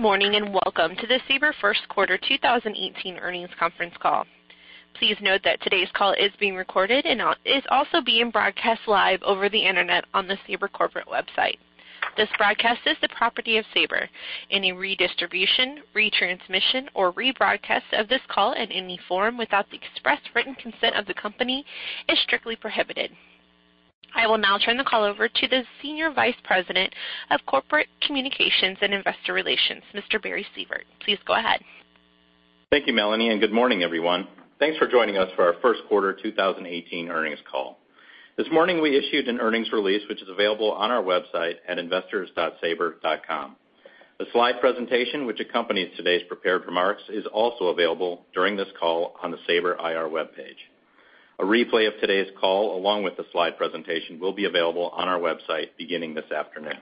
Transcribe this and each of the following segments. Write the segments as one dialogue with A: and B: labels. A: Good morning. Welcome to the Sabre first quarter 2018 earnings conference call. Please note that today's call is being recorded and is also being broadcast live over the internet on the Sabre corporate website. This broadcast is the property of Sabre. Any redistribution, retransmission, or rebroadcast of this call in any form without the express written consent of the company is strictly prohibited. I will now turn the call over to the Senior Vice President of Corporate Communications and Investor Relations, Mr. Barry Sievert. Please go ahead.
B: Thank you, Melanie. Good morning, everyone. Thanks for joining us for our first quarter 2018 earnings call. This morning, we issued an earnings release, which is available on our website at investors.sabre.com. The slide presentation, which accompanies today's prepared remarks, is also available during this call on the Sabre IR webpage. A replay of today's call, along with the slide presentation, will be available on our website beginning this afternoon.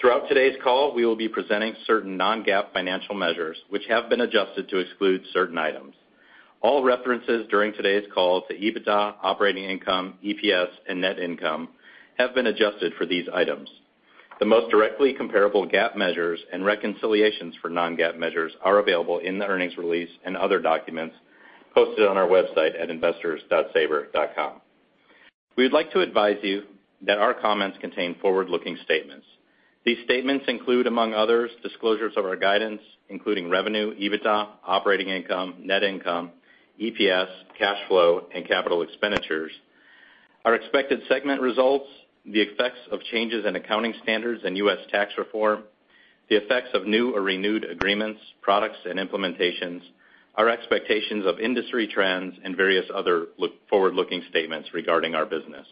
B: Throughout today's call, we will be presenting certain non-GAAP financial measures which have been adjusted to exclude certain items. All references during today's call to EBITDA, operating income, EPS, and net income have been adjusted for these items. The most directly comparable GAAP measures and reconciliations for non-GAAP measures are available in the earnings release and other documents posted on our website at investors.sabre.com. We'd like to advise you that our comments contain forward-looking statements. These statements include, among others, disclosures of our guidance, including revenue, EBITDA, operating income, net income, EPS, cash flow, and capital expenditures, our expected segment results, the effects of changes in accounting standards and U.S. tax reform, the effects of new or renewed agreements, products, and implementations, our expectations of industry trends, and various other forward-looking statements regarding our business.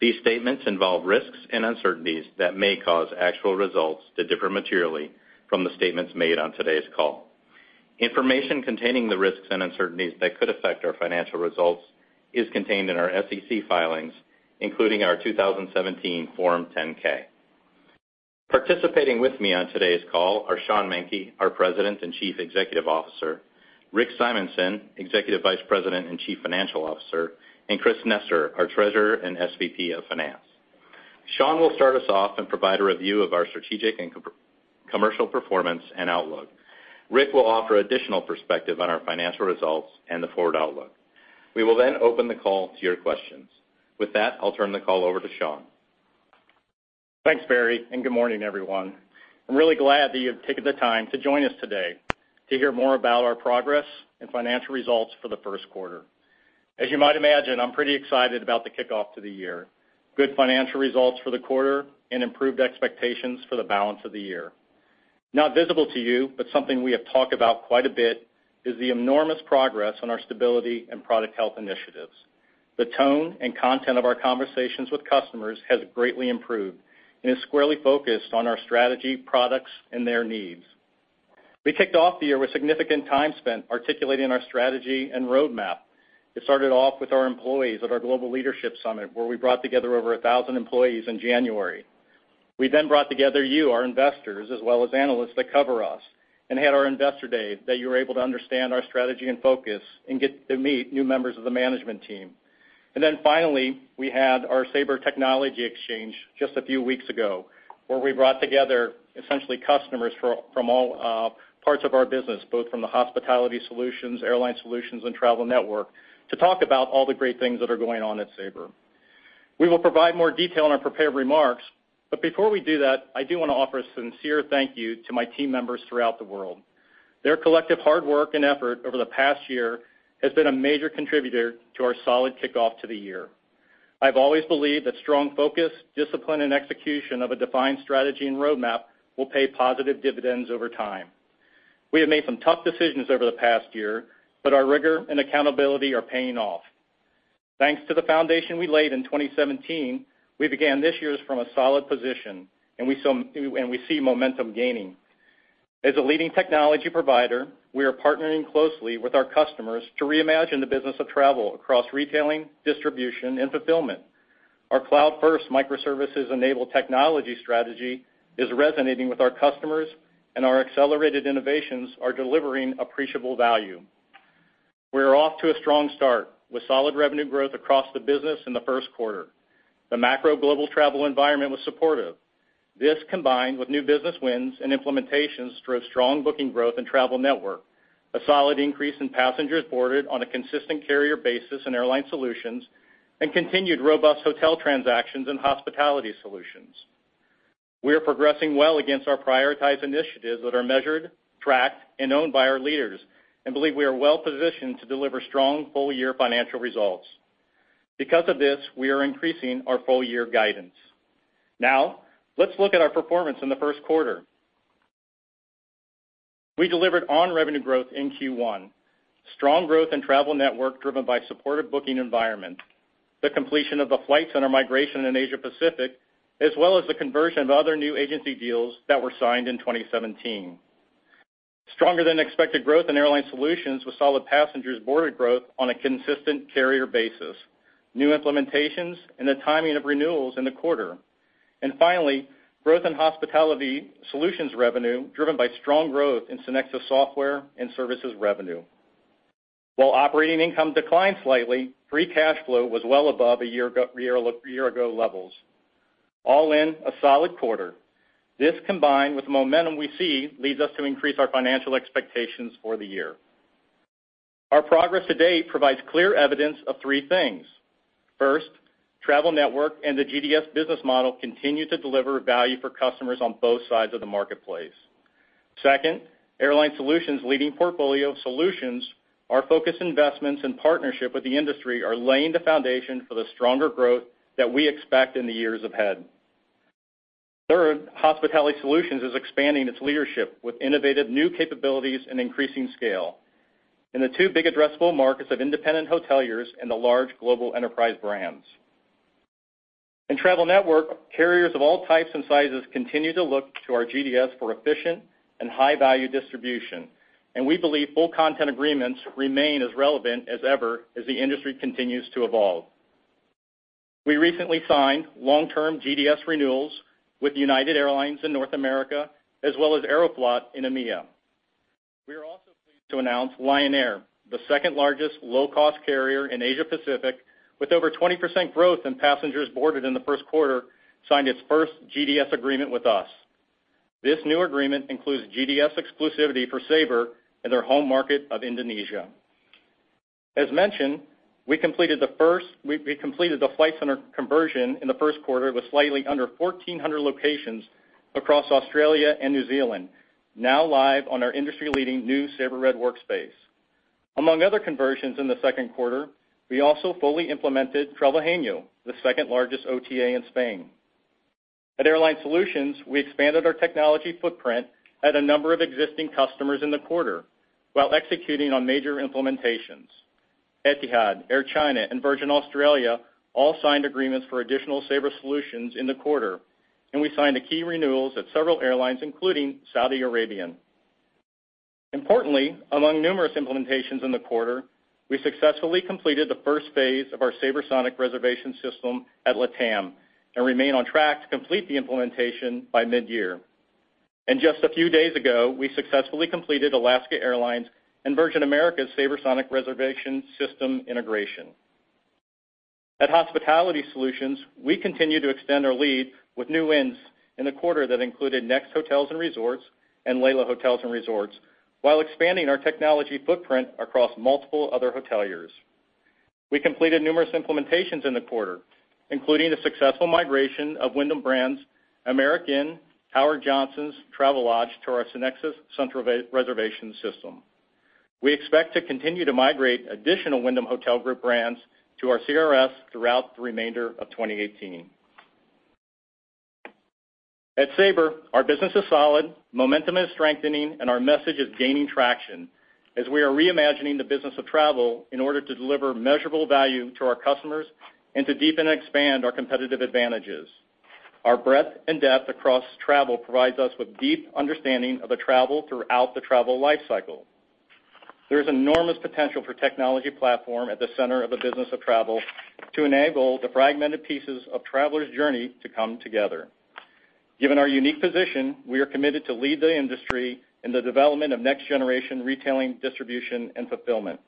B: These statements involve risks and uncertainties that may cause actual results to differ materially from the statements made on today's call. Information containing the risks and uncertainties that could affect our financial results is contained in our SEC filings, including our 2017 Form 10-K. Participating with me on today's call are Sean Menke, our President and Chief Executive Officer, Rick Simonson, Executive Vice President and Chief Financial Officer, and Chris Nester, our Treasurer and SVP of Finance. Sean will start us off and provide a review of our strategic and commercial performance and outlook. Rick will offer additional perspective on our financial results and the forward outlook. We will open the call to your questions. With that, I'll turn the call over to Sean.
C: Thanks, Barry, good morning, everyone. I'm really glad that you've taken the time to join us today to hear more about our progress and financial results for the first quarter. As you might imagine, I'm pretty excited about the kickoff to the year. Good financial results for the quarter and improved expectations for the balance of the year. Not visible to you, but something we have talked about quite a bit, is the enormous progress on our stability and product health initiatives. The tone and content of our conversations with customers has greatly improved and is squarely focused on our strategy, products, and their needs. We kicked off the year with significant time spent articulating our strategy and roadmap. It started off with our employees at our Global Leadership Summit, where we brought together over 1,000 employees in January. We brought together you, our investors, as well as analysts that cover us, and had our investor day that you were able to understand our strategy and focus and get to meet new members of the management team. Finally, we had our Sabre Technology Exchange just a few weeks ago, where we brought together essentially customers from all parts of our business, both from the Hospitality Solutions, Airline Solutions, and Travel Network, to talk about all the great things that are going on at Sabre. We will provide more detail in our prepared remarks, before we do that, I do want to offer a sincere thank you to my team members throughout the world. Their collective hard work and effort over the past year has been a major contributor to our solid kickoff to the year. I've always believed that strong focus, discipline, and execution of a defined strategy and roadmap will pay positive dividends over time. We have made some tough decisions over the past year, but our rigor and accountability are paying off. Thanks to the foundation we laid in 2017, we began this year from a solid position, and we see momentum gaining. As a leading technology provider, we are partnering closely with our customers to reimagine the business of travel across retailing, distribution, and fulfillment. Our cloud-first microservices-enabled technology strategy is resonating with our customers, and our accelerated innovations are delivering appreciable value. We're off to a strong start, with solid revenue growth across the business in the first quarter. The macro global travel environment was supportive. This, combined with new business wins and implementations, drove strong booking growth in Travel Network, a solid increase in passengers boarded on a consistent carrier basis in Airline Solutions, and continued robust hotel transactions in Hospitality Solutions. We are progressing well against our prioritized initiatives that are measured, tracked, and owned by our leaders, believe we are well positioned to deliver strong full-year financial results. Because of this, we are increasing our full-year guidance. Now, let's look at our performance in the first quarter. We delivered on revenue growth in Q1. Strong growth in Travel Network driven by supportive booking environment, the completion of the Flight Centre migration in Asia Pacific, as well as the conversion of other new agency deals that were signed in 2017. Stronger than expected growth in Airline Solutions with solid passengers boarded growth on a consistent carrier basis, new implementations, and the timing of renewals in the quarter. Finally, growth in Hospitality Solutions revenue driven by strong growth in SynXis software and services revenue. While operating income declined slightly, free cash flow was well above year-ago levels. All in a solid quarter. This, combined with the momentum we see, leads us to increase our financial expectations for the year. Our progress to date provides clear evidence of three things. First, Travel Network and the GDS business model continue to deliver value for customers on both sides of the marketplace. Second, Airline Solutions' leading portfolio of solutions, our focused investments and partnership with the industry are laying the foundation for the stronger growth that we expect in the years ahead. Third, Hospitality Solutions is expanding its leadership with innovative new capabilities and increasing scale in the two big addressable markets of independent hoteliers and the large global enterprise brands. In Travel Network, carriers of all types and sizes continue to look to our GDS for efficient and high-value distribution, and we believe full content agreements remain as relevant as ever as the industry continues to evolve. We recently signed long-term GDS renewals with United Airlines in North America, as well as Aeroflot in EMEA. We are also pleased to announce Lion Air, the second-largest low-cost carrier in Asia-Pacific, with over 20% growth in passengers boarded in the first quarter, signed its first GDS agreement with us. This new agreement includes GDS exclusivity for Sabre in their home market of Indonesia. As mentioned, we completed the Flight Centre conversion in the first quarter with slightly under 1,400 locations across Australia and New Zealand, now live on our industry-leading new Sabre Red Workspace. Among other conversions in the second quarter, we also fully implemented Traveltino, the second-largest OTA in Spain. At Airline Solutions, we expanded our technology footprint at a number of existing customers in the quarter, while executing on major implementations. Etihad, Air China, and Virgin Australia all signed agreements for additional Sabre solutions in the quarter, and we signed key renewals at several airlines, including Saudi Arabian. Importantly, among numerous implementations in the quarter, we successfully completed the first phase of our SabreSonic reservation system at LATAM and remain on track to complete the implementation by mid-year. Just a few days ago, we successfully completed Alaska Airlines and Virgin America's SabreSonic reservation system integration. At Hospitality Solutions, we continue to extend our lead with new wins in the quarter that included Nexus Hotels and Resorts and Leela Hotels and Resorts, while expanding our technology footprint across multiple other hoteliers. We completed numerous implementations in the quarter, including the successful migration of Wyndham Brands, AmericInn, Howard Johnson, Travelodge, to our SynXis central reservation system. We expect to continue to migrate additional Wyndham Hotel Group brands to our CRS throughout the remainder of 2018. At Sabre, our business is solid, momentum is strengthening, our message is gaining traction as we are reimagining the business of travel in order to deliver measurable value to our customers and to deepen and expand our competitive advantages. Our breadth and depth across travel provides us with a deep understanding of travel throughout the travel life cycle. There is enormous potential for a technology platform at the center of the business of travel to enable the fragmented pieces of travelers' journey to come together. Given our unique position, we are committed to lead the industry in the development of next-generation retailing, distribution, and fulfillment.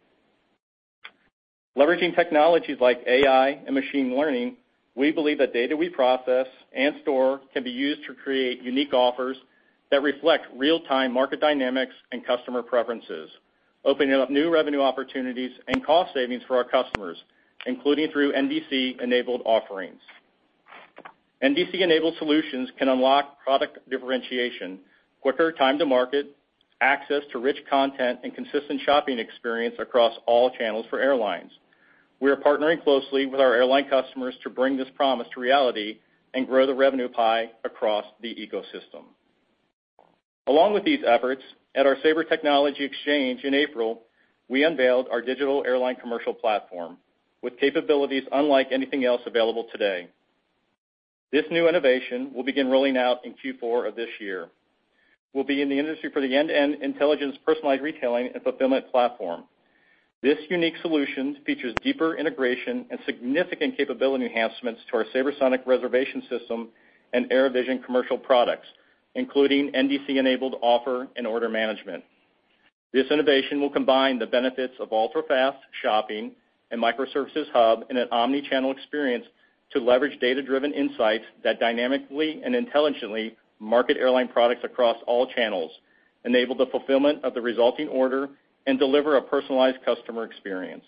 C: Leveraging technologies like AI and machine learning, we believe the data we process and store can be used to create unique offers that reflect real-time market dynamics and customer preferences, opening up new revenue opportunities and cost savings for our customers, including through NDC-enabled offerings. NDC-enabled solutions can unlock product differentiation, quicker time to market, access to rich content, and consistent shopping experience across all channels for airlines. We are partnering closely with our airline customers to bring this promise to reality and grow the revenue pie across the ecosystem. With these efforts, at our Sabre Technology Exchange in April, we unveiled our Digital Airline Commercial Platform with capabilities unlike anything else available today. This new innovation will begin rolling out in Q4 of this year. We'll be in the industry for the end-to-end intelligence personalized retailing and fulfillment platform. This unique solution features deeper integration and significant capability enhancements to our SabreSonic reservation system and AirVision commercial products, including NDC-enabled offer and order management. This innovation will combine the benefits of ultra-fast shopping, a microservices hub, and an omni-channel experience to leverage data-driven insights that dynamically and intelligently market airline products across all channels, enable the fulfillment of the resulting order, and deliver a personalized customer experience,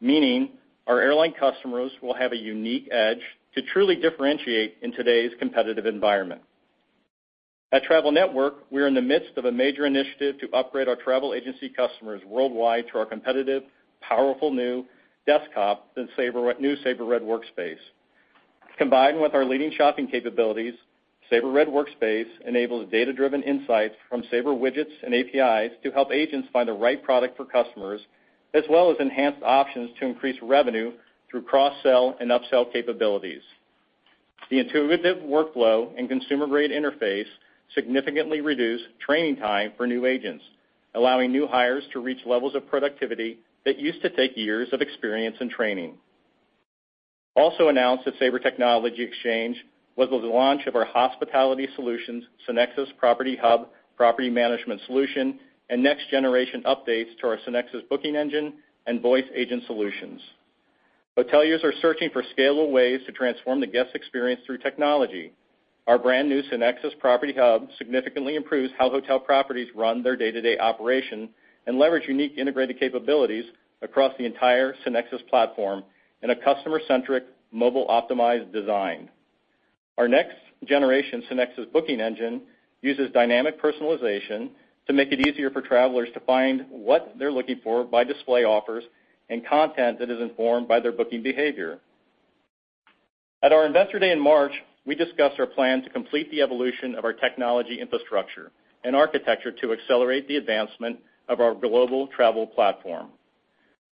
C: meaning our airline customers will have a unique edge to truly differentiate in today's competitive environment. At Travel Network, we're in the midst of a major initiative to upgrade our travel agency customers worldwide to our competitive, powerful new desktop, the new Sabre Red Workspace. Combined with our leading shopping capabilities, Sabre Red Workspace enables data-driven insights from Sabre widgets and APIs to help agents find the right product for customers, as well as enhanced options to increase revenue through cross-sell and upsell capabilities. The intuitive workflow and consumer-grade interface significantly reduce training time for new agents, allowing new hires to reach levels of productivity that used to take years of experience and training. Also announced at Sabre Technology Exchange was the launch of our Hospitality Solutions, SynXis Property Hub property management solution, and next-generation updates to our SynXis Booking Engine and voice agent solutions. Hoteliers are searching for scalable ways to transform the guest experience through technology. Our brand-new SynXis Property Hub significantly improves how hotel properties run their day-to-day operation and leverage unique integrated capabilities across the entire SynXis platform in a customer-centric, mobile-optimized design. Our next-generation SynXis Booking Engine uses dynamic personalization to make it easier for travelers to find what they're looking for by display offers and content that is informed by their booking behavior. At our Investor Day in March, we discussed our plan to complete the evolution of our technology infrastructure and architecture to accelerate the advancement of our global travel platform.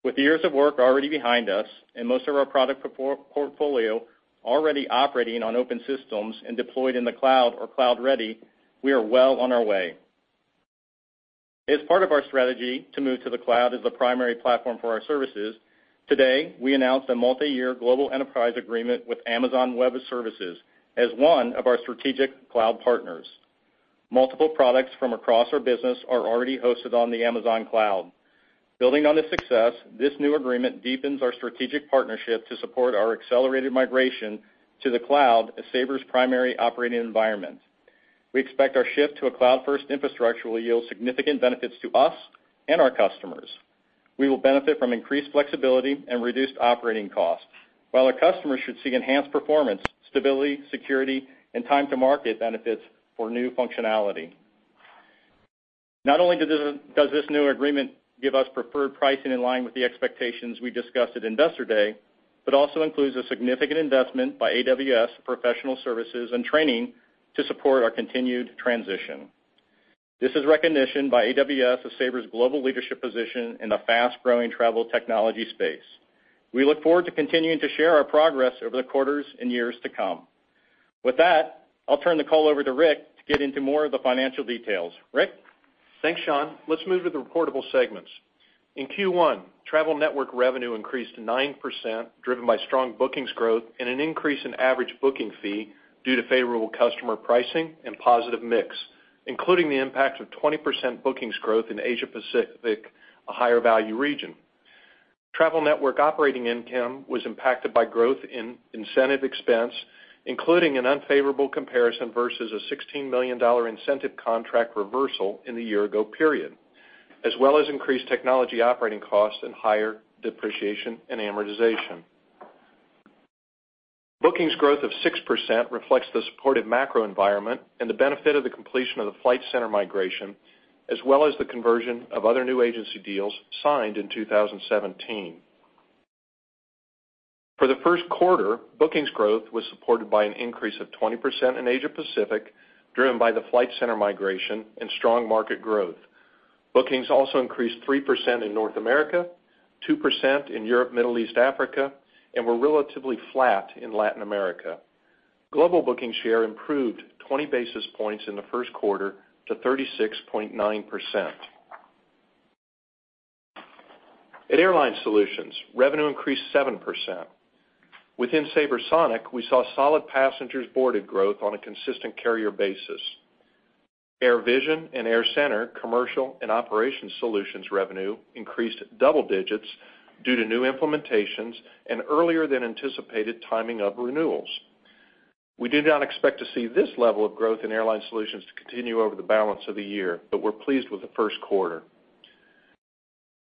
C: With years of work already behind us and most of our product portfolio already operating on open systems and deployed in the cloud or cloud-ready, we are well on our way. As part of our strategy to move to the cloud as the primary platform for our services, today, we announced a multi-year global enterprise agreement with Amazon Web Services as one of our strategic cloud partners. Multiple products from across our business are already hosted on the Amazon cloud. Building on this success, this new agreement deepens our strategic partnership to support our accelerated migration to the cloud as Sabre's primary operating environment. We expect our shift to a cloud-first infrastructure will yield significant benefits to us and our customers. We will benefit from increased flexibility and reduced operating costs, while our customers should see enhanced performance, stability, security, and time-to-market benefits for new functionality. Not only does this new agreement give us preferred pricing in line with the expectations we discussed at Investor Day, but also includes a significant investment by AWS professional services and training to support our continued transition. This is recognition by AWS of Sabre's global leadership position in the fast-growing travel technology space. We look forward to continuing to share our progress over the quarters and years to come. With that, I'll turn the call over to Rick to get into more of the financial details. Rick?
D: Thanks, Sean. Let's move to the reportable segments. In Q1, Travel Network revenue increased 9%, driven by strong bookings growth and an increase in average booking fee due to favorable customer pricing and positive mix, including the impact of 20% bookings growth in Asia Pacific, a higher-value region. Travel Network operating income was impacted by growth in incentive expense, including an unfavorable comparison versus a $16 million incentive contract reversal in the year-ago period, as well as increased technology operating costs and higher depreciation and amortization. Bookings growth of 6% reflects the supportive macro environment and the benefit of the completion of the Flight Centre migration, as well as the conversion of other new agency deals signed in 2017. For the first quarter, bookings growth was supported by an increase of 20% in Asia Pacific, driven by the Flight Centre migration and strong market growth. Bookings also increased 3% in North America, 2% in Europe, Middle East, Africa, and were relatively flat in Latin America. Global booking share improved 20 basis points in the first quarter to 36.9%. At Airline Solutions, revenue increased 7%. Within SabreSonic, we saw solid passengers boarded growth on a consistent carrier basis. AirVision and AirCentre commercial and operations solutions revenue increased double digits due to new implementations and earlier than anticipated timing of renewals. We do not expect to see this level of growth in Airline Solutions to continue over the balance of the year, but we're pleased with the first quarter.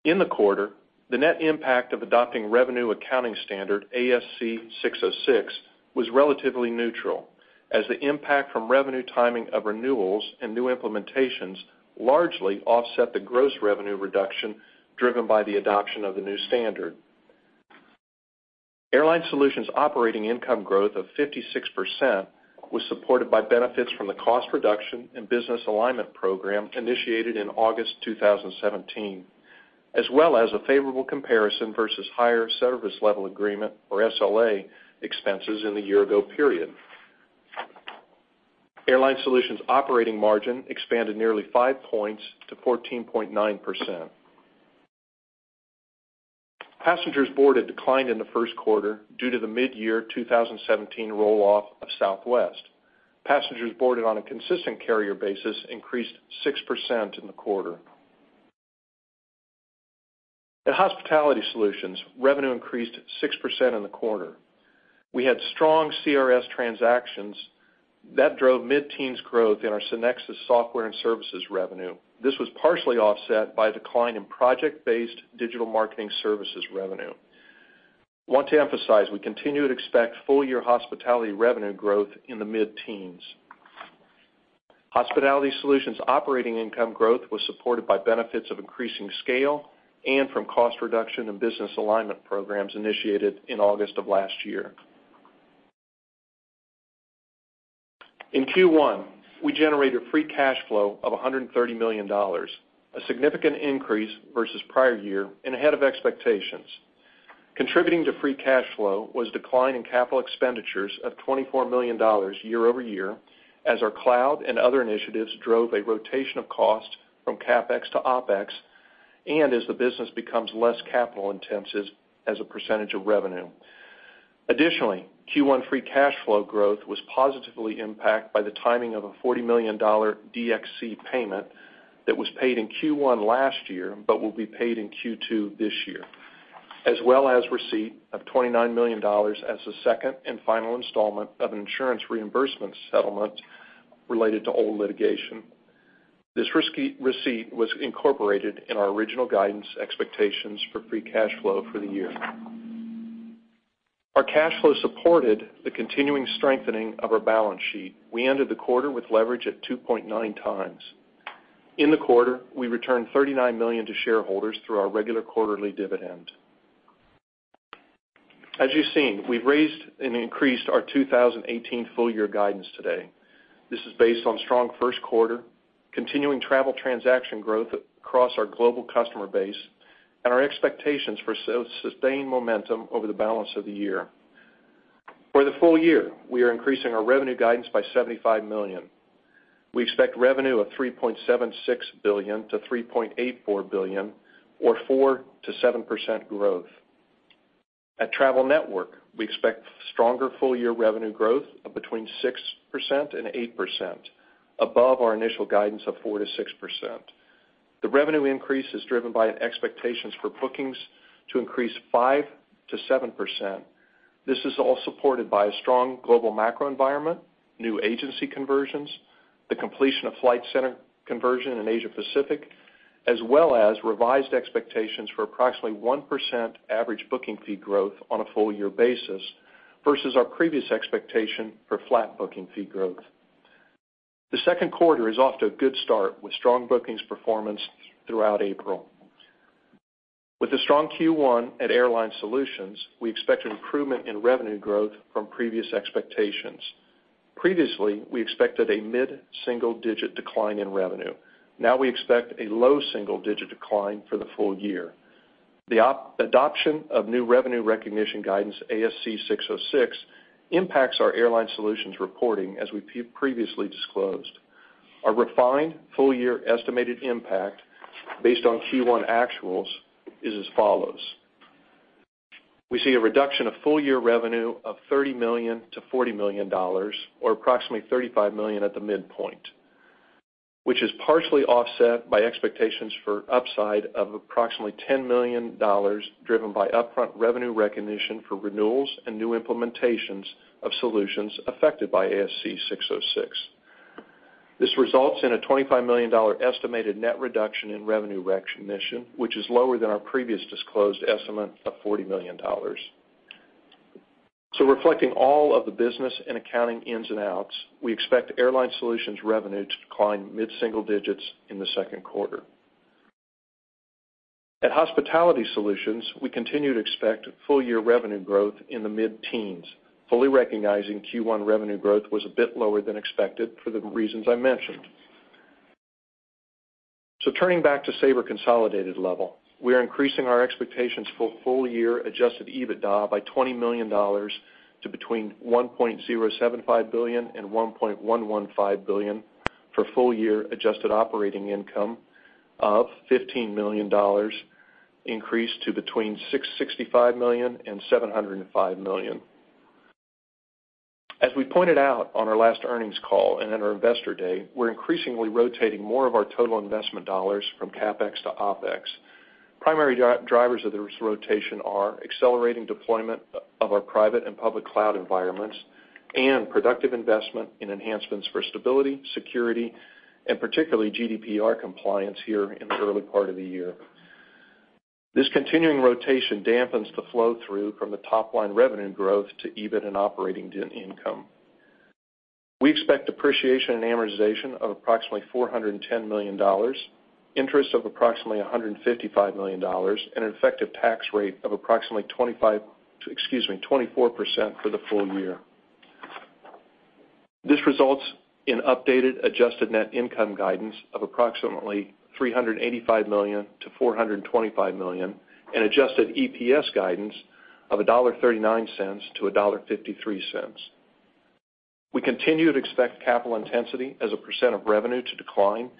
D: In the quarter, the net impact of adopting revenue accounting standard ASC 606 was relatively neutral, as the impact from revenue timing of renewals and new implementations largely offset the gross revenue reduction driven by the adoption of the new standard. Airline Solutions operating income growth of 56% was supported by benefits from the cost reduction and business alignment program initiated in August 2017, as well as a favorable comparison versus higher service level agreement, or SLA, expenses in the year-ago period. Airline Solutions operating margin expanded nearly five points to 14.9%. Passengers boarded declined in the first quarter due to the mid-year 2017 roll-off of Southwest. Passengers boarded on a consistent carrier basis increased 6% in the quarter. At Hospitality Solutions, revenue increased 6% in the quarter. We had strong CRS transactions that drove mid-teens growth in our SynXis software and services revenue. This was partially offset by a decline in project-based digital marketing services revenue. I want to emphasize, we continue to expect full-year hospitality revenue growth in the mid-teens. Hospitality Solutions operating income growth was supported by benefits of increasing scale and from cost reduction and business alignment programs initiated in August of last year. In Q1, we generated free cash flow of $130 million, a significant increase versus prior year and ahead of expectations. Contributing to free cash flow was a decline in capital expenditures of $24 million year-over-year as our cloud and other initiatives drove a rotation of cost from CapEx to OpEx. As the business becomes less capital intensive as a percentage of revenue. Additionally, Q1 free cash flow growth was positively impacted by the timing of a $40 million DXC payment that was paid in Q1 last year but will be paid in Q2 this year, as well as receipt of $29 million as the second and final installment of an insurance reimbursement settlement related to old litigation. This receipt was incorporated in our original guidance expectations for free cash flow for the year. Our cash flow supported the continuing strengthening of our balance sheet. We ended the quarter with leverage at 2.9 times. In the quarter, we returned $39 million to shareholders through our regular quarterly dividend. As you've seen, we've raised and increased our 2018 full-year guidance today. This is based on strong first quarter, continuing travel transaction growth across our global customer base, and our expectations for sustained momentum over the balance of the year. For the full year, we are increasing our revenue guidance by $75 million. We expect revenue of $3.76 billion to $3.84 billion or 4%-7% growth. At Travel Network, we expect stronger full-year revenue growth of between 6% and 8%, above our initial guidance of 4%-6%. The revenue increase is driven by expectations for bookings to increase 5%-7%. This is all supported by a strong global macro environment, new agency conversions, the completion of Flight Centre conversion in Asia Pacific, as well as revised expectations for approximately 1% average booking fee growth on a full-year basis versus our previous expectation for flat booking fee growth. The second quarter is off to a good start with strong bookings performance throughout April. With the strong Q1 at Airline Solutions, we expect an improvement in revenue growth from previous expectations. Previously, we expected a mid-single-digit decline in revenue. Now we expect a low single-digit decline for the full year. The adoption of new revenue recognition guidance, ASC 606, impacts our Airline Solutions reporting as we previously disclosed. Our refined full-year estimated impact based on Q1 actuals is as follows. We see a reduction of full-year revenue of $30 million to $40 million, or approximately $35 million at the midpoint, which is partially offset by expectations for upside of approximately $10 million driven by upfront revenue recognition for renewals and new implementations of solutions affected by ASC 606. This results in a $25 million estimated net reduction in revenue recognition, which is lower than our previous disclosed estimate of $40 million. Reflecting all of the business and accounting ins and outs, we expect Airline Solutions revenue to decline mid-single digits in the second quarter. At Hospitality Solutions, we continue to expect full-year revenue growth in the mid-teens, fully recognizing Q1 revenue growth was a bit lower than expected for the reasons I mentioned. Turning back to Sabre consolidated level, we are increasing our expectations for full-year adjusted EBITDA by $20 million to between $1.075 billion and $1.115 billion for full-year adjusted operating income of $15 million, increased to between $665 million and $705 million. As we pointed out on our last earnings call and at our Investor Day, we are increasingly rotating more of our total investment dollars from CapEx to OpEx. Primary drivers of this rotation are accelerating deployment of our private and public cloud environments and productive investment in enhancements for stability, security, and particularly GDPR compliance here in the early part of the year. This continuing rotation dampens the flow-through from the top-line revenue growth to EBIT and operating income. We expect depreciation and amortization of approximately $410 million, interest of approximately $155 million, and an effective tax rate of approximately 24% for the full year. This results in updated adjusted net income guidance of approximately $385 million to $425 million and adjusted EPS guidance of $1.39 to $1.53. We continue to expect capital intensity as a percent of revenue to decline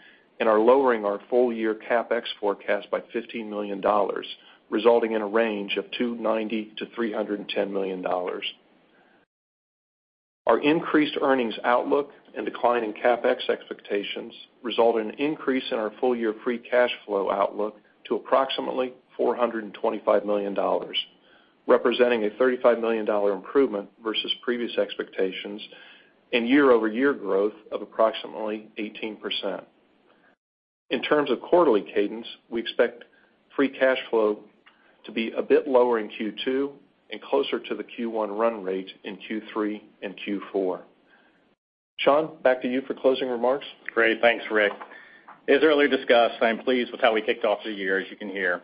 D: and are lowering our full-year CapEx forecast by $15 million, resulting in a range of $290 million-$310 million. Our increased earnings outlook and decline in CapEx expectations result in an increase in our full-year free cash flow outlook to approximately $425 million, representing a $35 million improvement versus previous expectations and year-over-year growth of approximately 18%. In terms of quarterly cadence, we expect free cash flow to be a bit lower in Q2 and closer to the Q1 run rate in Q3 and Q4. Sean, back to you for closing remarks.
C: Great. Thanks, Rick. As earlier discussed, I am pleased with how we kicked off the year, as you can hear.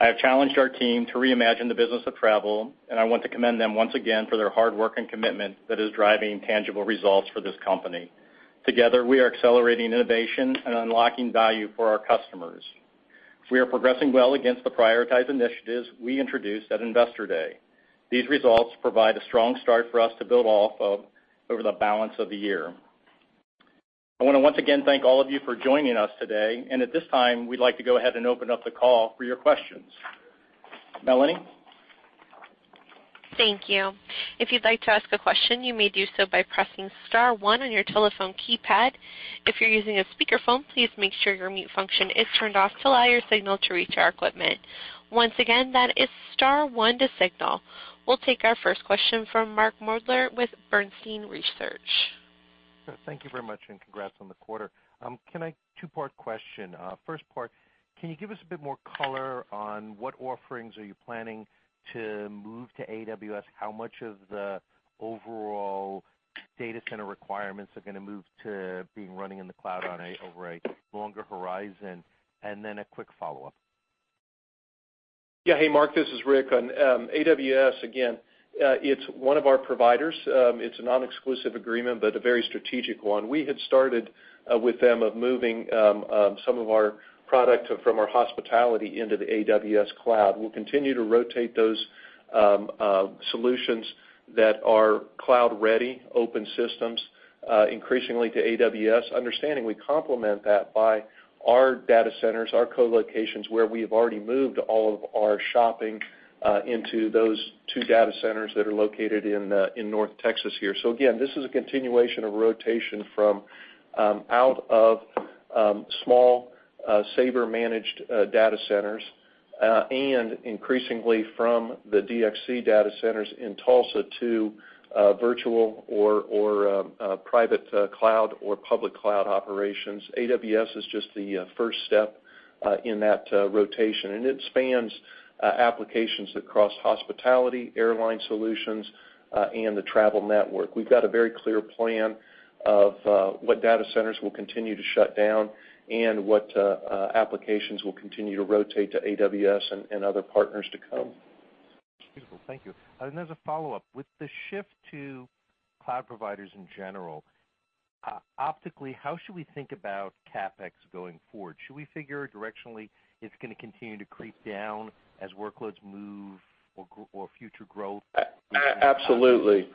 C: I have challenged our team to reimagine the business of travel, and I want to commend them once again for their hard work and commitment that is driving tangible results for this company. Together, we are accelerating innovation and unlocking value for our customers. We are progressing well against the prioritized initiatives we introduced at Investor Day. These results provide a strong start for us to build off of over the balance of the year.
D: I want to once again thank all of you for joining us today. At this time, we'd like to go ahead and open up the call for your questions. Melanie?
A: Thank you. If you'd like to ask a question, you may do so by pressing star one on your telephone keypad. If you're using a speakerphone, please make sure your mute function is turned off to allow your signal to reach our equipment. Once again, that is star one to signal. We'll take our first question from Mark Moerdler with Bernstein Research.
E: Thank you very much, and congrats on the quarter. Two-part question. First part, can you give us a bit more color on what offerings are you planning to move to AWS? How much of the overall data center requirements are going to move to being running in the cloud over a longer horizon? A quick follow-up.
D: Yeah. Hey, Mark, this is Rick. On AWS, again, it's one of our providers. It's a non-exclusive agreement, but a very strategic one. We had started with them of moving some of our product from our Hospitality Solutions into the AWS cloud. We'll continue to rotate those solutions that are cloud ready, open systems, increasingly to AWS, understanding we complement that by our data centers, our co-locations, where we have already moved all of our shopping into those two data centers that are located in North Texas here. Again, this is a continuation of rotation from out of small Sabre managed data centers, and increasingly from the DXC data centers in Tulsa to virtual or private cloud or public cloud operations. AWS is just the first step in that rotation. It spans applications across Hospitality Solutions, Airline Solutions, and the Travel Network. We've got a very clear plan of what data centers we'll continue to shut down and what applications we'll continue to rotate to AWS and other partners to come.
E: Beautiful. Thank you. As a follow-up, with the shift to cloud providers in general, optically, how should we think about CapEx going forward? Should we figure directionally it's going to continue to creep down as workloads move or future growth-
D: Absolutely.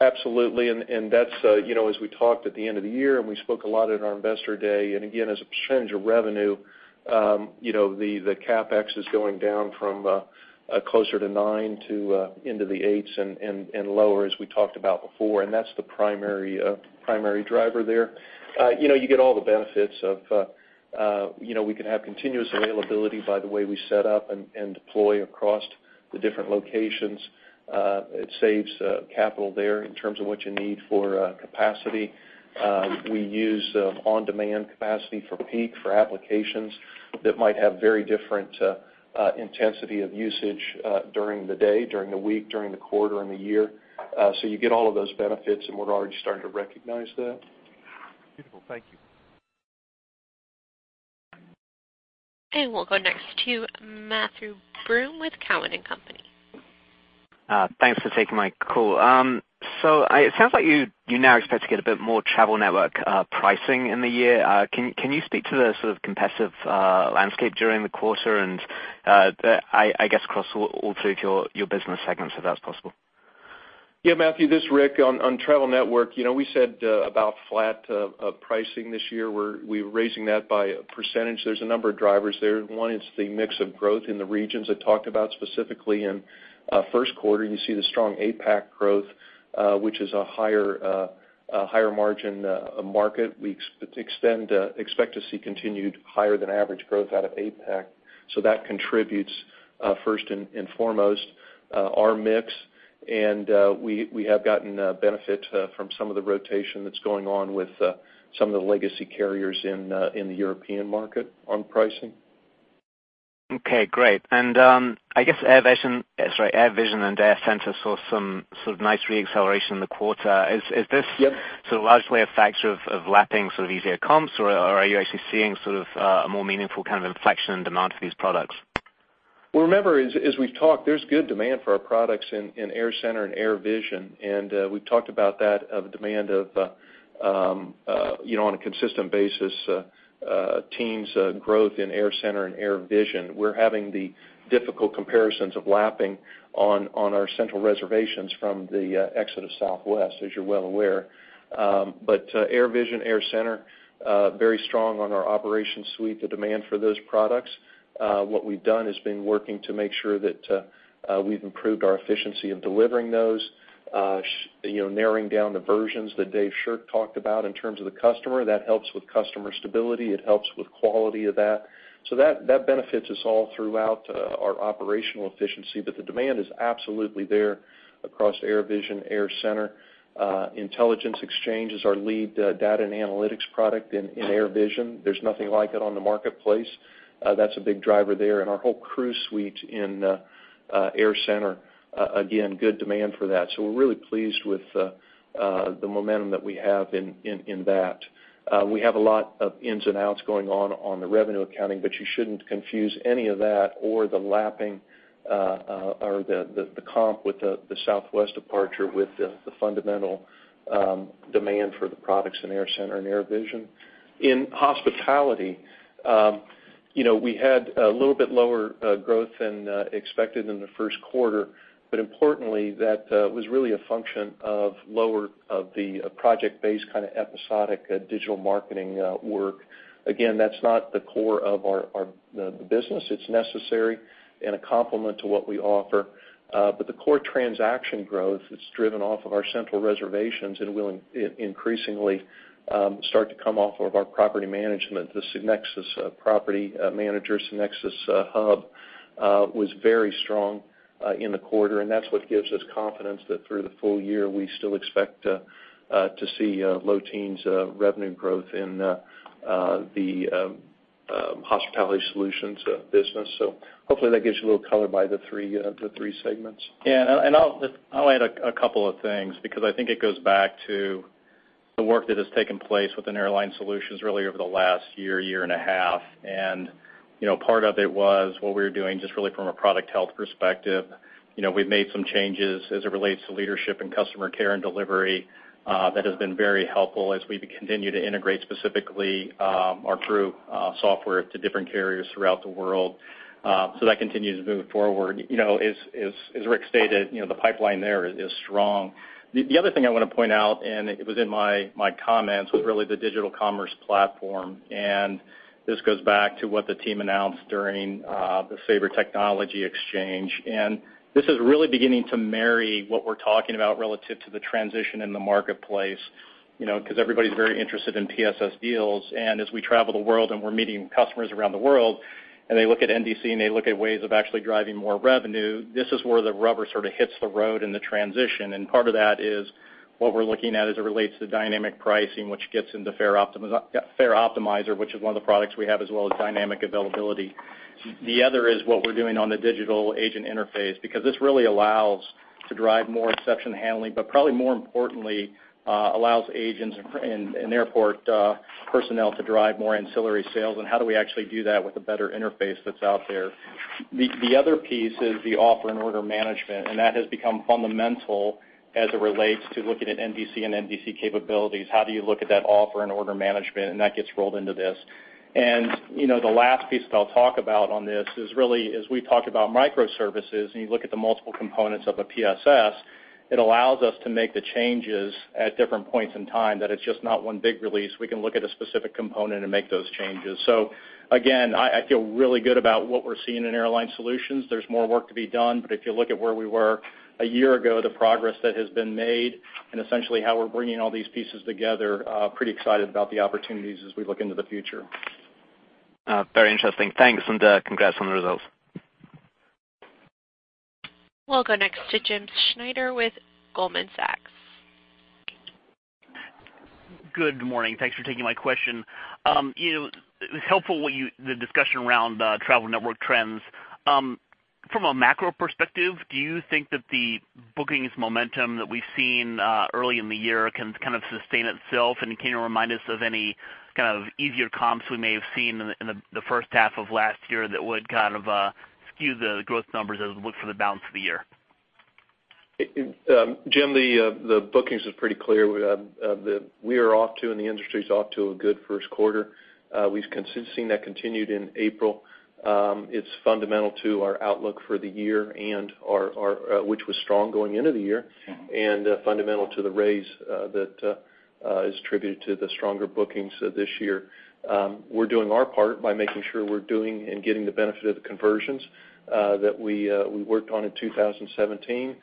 D: As we talked at the end of the year, we spoke a lot at our investor day, again, as a percentage of revenue, the CapEx is going down from closer to nine to into the eights and lower, as we talked about before, that's the primary driver there. You get all the benefits of, we can have continuous availability by the way we set up and deploy across the different locations. It saves capital there in terms of what you need for capacity. We use on-demand capacity for peak, for applications that might have very different intensity of usage during the day, during the week, during the quarter, and the year. You get all of those benefits, and we're already starting to recognize that.
E: Beautiful. Thank you.
A: We'll go next to Matthew Broome with Cowen and Company.
F: Thanks for taking my call. It sounds like you now expect to get a bit more Travel Network pricing in the year. Can you speak to the sort of competitive landscape during the quarter and, I guess, across all three of your business segments, if that's possible?
D: Matthew, this is Rick. On Travel Network, we said about flat pricing this year. We're raising that by a percentage. There's a number of drivers there. One is the mix of growth in the regions I talked about specifically in first quarter. You see the strong APAC growth, which is a higher margin market. We expect to see continued higher than average growth out of APAC. That contributes, first and foremost, our mix, and we have gotten benefit from some of the rotation that's going on with some of the legacy carriers in the European market on pricing.
F: Okay, great. I guess AirVision and AirCentre saw some sort of nice re-acceleration in the quarter.
D: Yep
F: sort of largely a factor of lapping easier comps, or are you actually seeing a more meaningful kind of inflection in demand for these products?
D: Well, remember, as we've talked, there's good demand for our products in AirCentre and AirVision. We've talked about that demand on a consistent basis, teens growth in AirCentre and AirVision. We're having the difficult comparisons of lapping on our central reservations from the exit of Southwest, as you're well aware. AirVision, AirCentre, very strong on our operations suite, the demand for those products. What we've done has been working to make sure that we've improved our efficiency in delivering those, narrowing down the versions that Dave Shirk talked about in terms of the customer. That helps with customer stability. It helps with quality of that. That benefits us all throughout our operational efficiency. The demand is absolutely there across AirVision, AirCentre. Intelligence Exchange is our lead data and analytics product in AirVision. There's nothing like it on the marketplace. That's a big driver there. Our whole crew suite in AirCentre, again, good demand for that. We're really pleased with the momentum that we have in that. We have a lot of ins and outs going on the revenue accounting. You shouldn't confuse any of that or the comp with the Southwest departure with the fundamental demand for the products in AirCentre and AirVision. In hospitality we had a little bit lower growth than expected in the first quarter. Importantly, that was really a function of the project-based kind of episodic digital marketing work. Again, that's not the core of the business. It's necessary and a complement to what we offer. The core transaction growth is driven off of our central reservations and will increasingly start to come off of our property management. The SynXis Property Hub, SynXis Hub, was very strong in the quarter. That's what gives us confidence that through the full year, we still expect to see low teens revenue growth in the Hospitality Solutions business. Hopefully, that gives you a little color by the three segments.
C: Yeah, I'll add a couple of things because I think it goes back to the work that has taken place within Airline Solutions really over the last year and a half. Part of it was what we were doing just really from a product health perspective. We've made some changes as it relates to leadership and customer care and delivery that has been very helpful as we continue to integrate specifically our SabreSonic to different carriers throughout the world. That continues to move forward. As Rick stated, the pipeline there is strong. The other thing I want to point out, it was in my comments, was really the Digital Airline Commercial Platform. This goes back to what the team announced during the Sabre Technology Exchange. This is really beginning to marry what we're talking about relative to the transition in the marketplace because everybody's very interested in PSS deals. As we travel the world and we're meeting customers around the world and they look at NDC and they look at ways of actually driving more revenue, this is where the rubber sort of hits the road in the transition. Part of that is what we're looking at as it relates to dynamic pricing, which gets into Fare Optimizer, which is one of the products we have, as well as dynamic availability. The other is what we're doing on the digital agent interface, because this really allows to drive more exception handling, but probably more importantly, allows agents and airport personnel to drive more ancillary sales, and how do we actually do that with a better interface that's out there. The other piece is the offer and order management, and that has become fundamental as it relates to looking at NDC and NDC capabilities. How do you look at that offer and order management? That gets rolled into this. The last piece that I'll talk about on this is really, as we talk about microservices and you look at the multiple components of a PSS, it allows us to make the changes at different points in time, that it's just not one big release. We can look at a specific component and make those changes. Again, I feel really good about what we're seeing in Airline Solutions. There's more work to be done, but if you look at where we were a year ago, the progress that has been made and essentially how we're bringing all these pieces together, pretty excited about the opportunities as we look into the future.
F: Very interesting. Thanks, and congrats on the results.
A: We'll go next to James Schneider with Goldman Sachs.
G: Good morning. Thanks for taking my question. It was helpful, the discussion around Travel Network trends. From a macro perspective, do you think that the bookings momentum that we've seen early in the year can kind of sustain itself? Can you remind us of any kind of easier comps we may have seen in the first half of last year that would kind of skew the growth numbers as we look for the balance of the year?
D: Jim, the bookings is pretty clear. The industry's off to a good first quarter. We've seen that continued in April. It's fundamental to our outlook for the year, which was strong going into the year, and fundamental to the raise that is attributed to the stronger bookings this year. We're doing our part by making sure we're doing and getting the benefit of the conversions that we worked on in 2017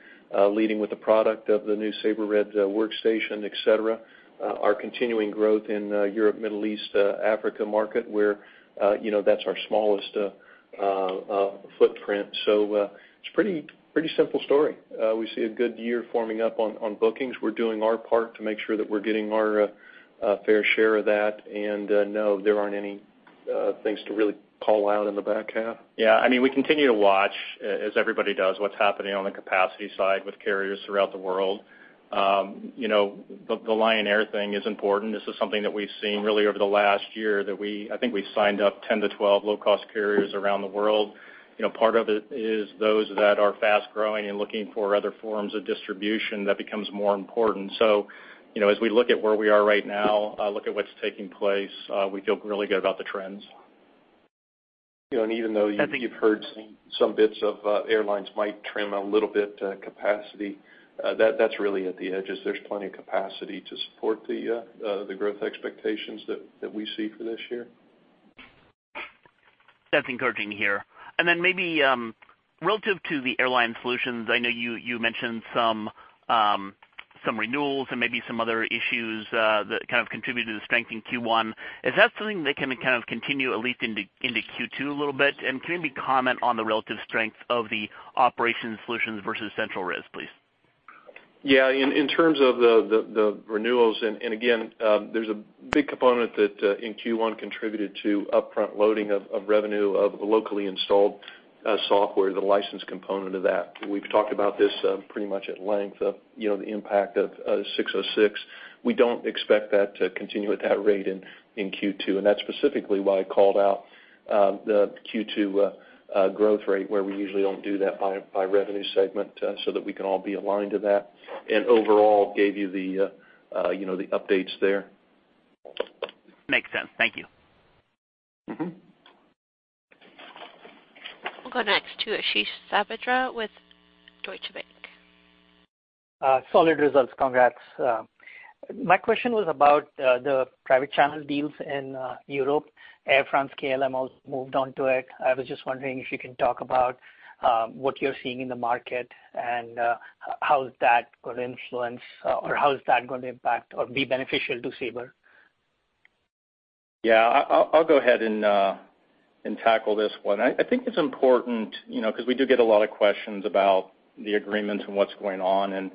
D: leading with the product of the new Sabre Red Workspace, et cetera. Our continuing growth in Europe, Middle East, Africa market where that's our smallest footprint. It's a pretty simple story. We see a good year forming up on bookings. We're doing our part to make sure that we're getting our fair share of that. No, there aren't any things to really call out in the back half.
C: Yeah, we continue to watch, as everybody does, what's happening on the capacity side with carriers throughout the world. The Lion Air thing is important. This is something that we've seen really over the last year that I think we've signed up 10 to 12 low-cost carriers around the world. Part of it is those that are fast-growing and looking for other forms of distribution, that becomes more important. As we look at where we are right now, look at what's taking place, we feel really good about the trends.
D: Even though you've heard some bits of airlines might trim a little bit capacity, that's really at the edges. There's plenty of capacity to support the growth expectations that we see for this year.
G: That's encouraging to hear. Maybe relative to the Airline Solutions, I know you mentioned some renewals and maybe some other issues that kind of contributed to the strength in Q1. Is that something that can kind of continue at least into Q2 a little bit? Can you maybe comment on the relative strength of the operations solutions versus CRS, please?
D: Yeah, in terms of the renewals, again, there's a big component that in Q1 contributed to upfront loading of revenue of the locally installed software, the license component of that. We've talked about this pretty much at length of the impact of 606. We don't expect that to continue at that rate in Q2, that's specifically why I called out the Q2 growth rate where we usually don't do that by revenue segment so that we can all be aligned to that overall gave you the updates there.
G: Makes sense. Thank you.
A: We'll go next to Ashish Sabadra with Deutsche Bank.
H: Solid results. Congrats. My question was about the private channel deals in Europe. Air France-KLM moved on to it. I was just wondering if you can talk about what you're seeing in the market and how is that going to influence or how is that going to impact or be beneficial to Sabre?
C: Yeah. I'll go ahead and tackle this one. I think it's important, because we do get a lot of questions about the agreements and what's going on.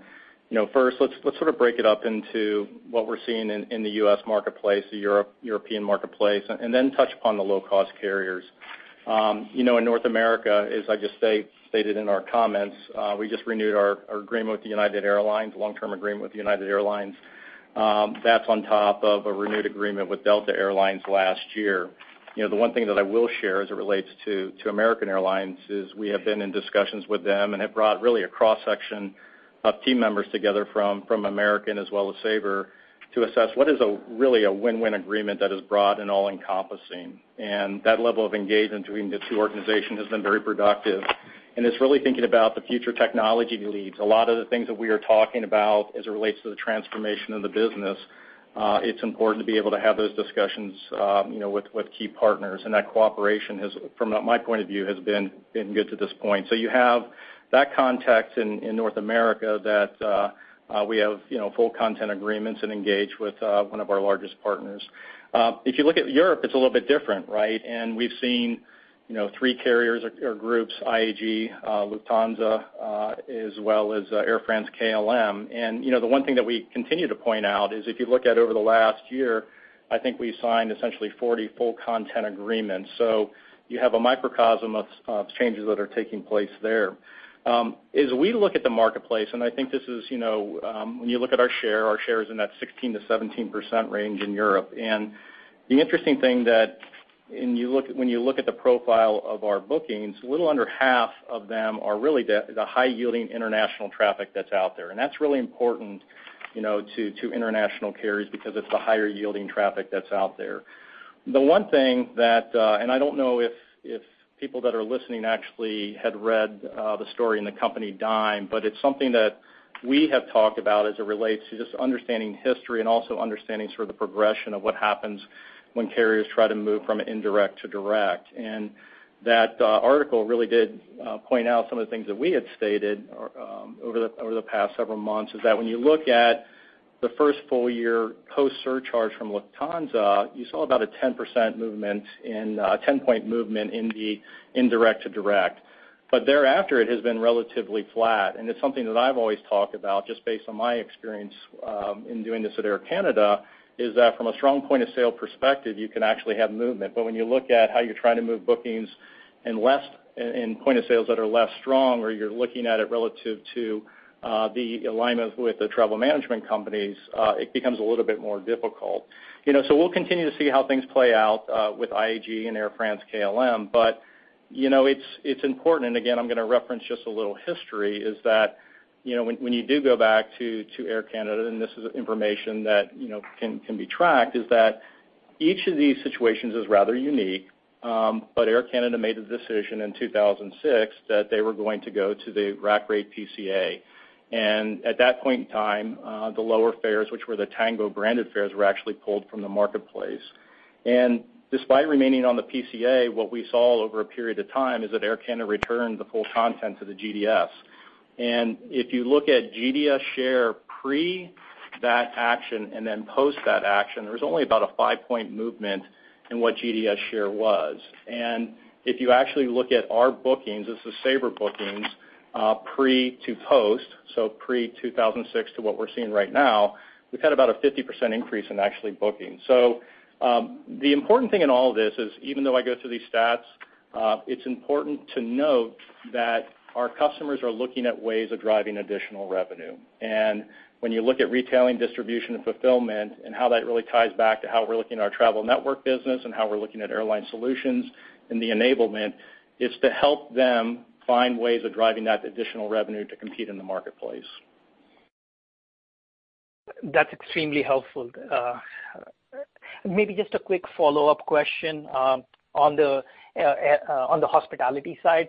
C: First, let's sort of break it up into what we're seeing in the U.S. marketplace, the European marketplace, and then touch upon the low-cost carriers. In North America, as I just stated in our comments, we just renewed our agreement with United Airlines, long-term agreement with United Airlines. That's on top of a renewed agreement with Delta Air Lines last year. The one thing that I will share as it relates to American Airlines is we have been in discussions with them and have brought really a cross-section of team members together from American as well as Sabre to assess what is really a win-win agreement that is broad and all-encompassing. That level of engagement between the two organizations has been very productive and is really thinking about the future technology leads. A lot of the things that we are talking about as it relates to the transformation of the business, it's important to be able to have those discussions with key partners. That cooperation, from my point of view, has been good to this point. You have that context in North America that we have full content agreements and engage with one of our largest partners. If you look at Europe, it's a little bit different, right? We've seen three carriers or groups, IAG, Lufthansa, as well as Air France-KLM. The one thing that we continue to point out is if you look at over the last year, I think we signed essentially 40 full content agreements. You have a microcosm of changes that are taking place there. As we look at the marketplace, our share is in that 16%-17% range in Europe. The interesting thing that when you look at the profile of our bookings, a little under half of them are really the high-yielding international traffic that's out there. That's really important to international carriers because it's the higher-yielding traffic that's out there. The one thing that, and I don't know if people that are listening actually had read the story in The Company Dime, but it's something that we have talked about as it relates to just understanding history and also understanding sort of the progression of what happens when carriers try to move from indirect to direct. That article really did point out some of the things that we had stated over the past several months, is that when you look at the first full year post surcharge from Lufthansa, you saw about a 10-point movement in the indirect to direct. Thereafter, it has been relatively flat, and it's something that I've always talked about just based on my experience in doing this at Air Canada, is that from a strong point of sale perspective, you can actually have movement. When you look at how you're trying to move bookings in point of sales that are less strong, or you're looking at it relative to the alignment with the travel management companies, it becomes a little bit more difficult. We'll continue to see how things play out with IAG and Air France-KLM. It's important, and again, I'm going to reference just a little history, is that when you do go back to Air Canada, and this is information that can be tracked, is that each of these situations is rather unique. Air Canada made the decision in 2006 that they were going to go to the rack rate PCA. At that point in time, the lower fares, which were the Tango branded fares, were actually pulled from the marketplace. Despite remaining on the PCA, what we saw over a period of time is that Air Canada returned the full content to the GDS. If you look at GDS share pre that action and then post that action, there was only about a five-point movement in what GDS share was. If you actually look at our bookings, this is Sabre bookings, pre to post, so pre-2006 to what we're seeing right now, we've had about a 50% increase in actually booking. The important thing in all of this is, even though I go through these stats, it's important to note that our customers are looking at ways of driving additional revenue. When you look at retailing distribution and fulfillment and how that really ties back to how we're looking at our Travel Network business and how we're looking at Airline Solutions and the enablement, it's to help them find ways of driving that additional revenue to compete in the marketplace.
H: That's extremely helpful. Maybe just a quick follow-up question on the hospitality side.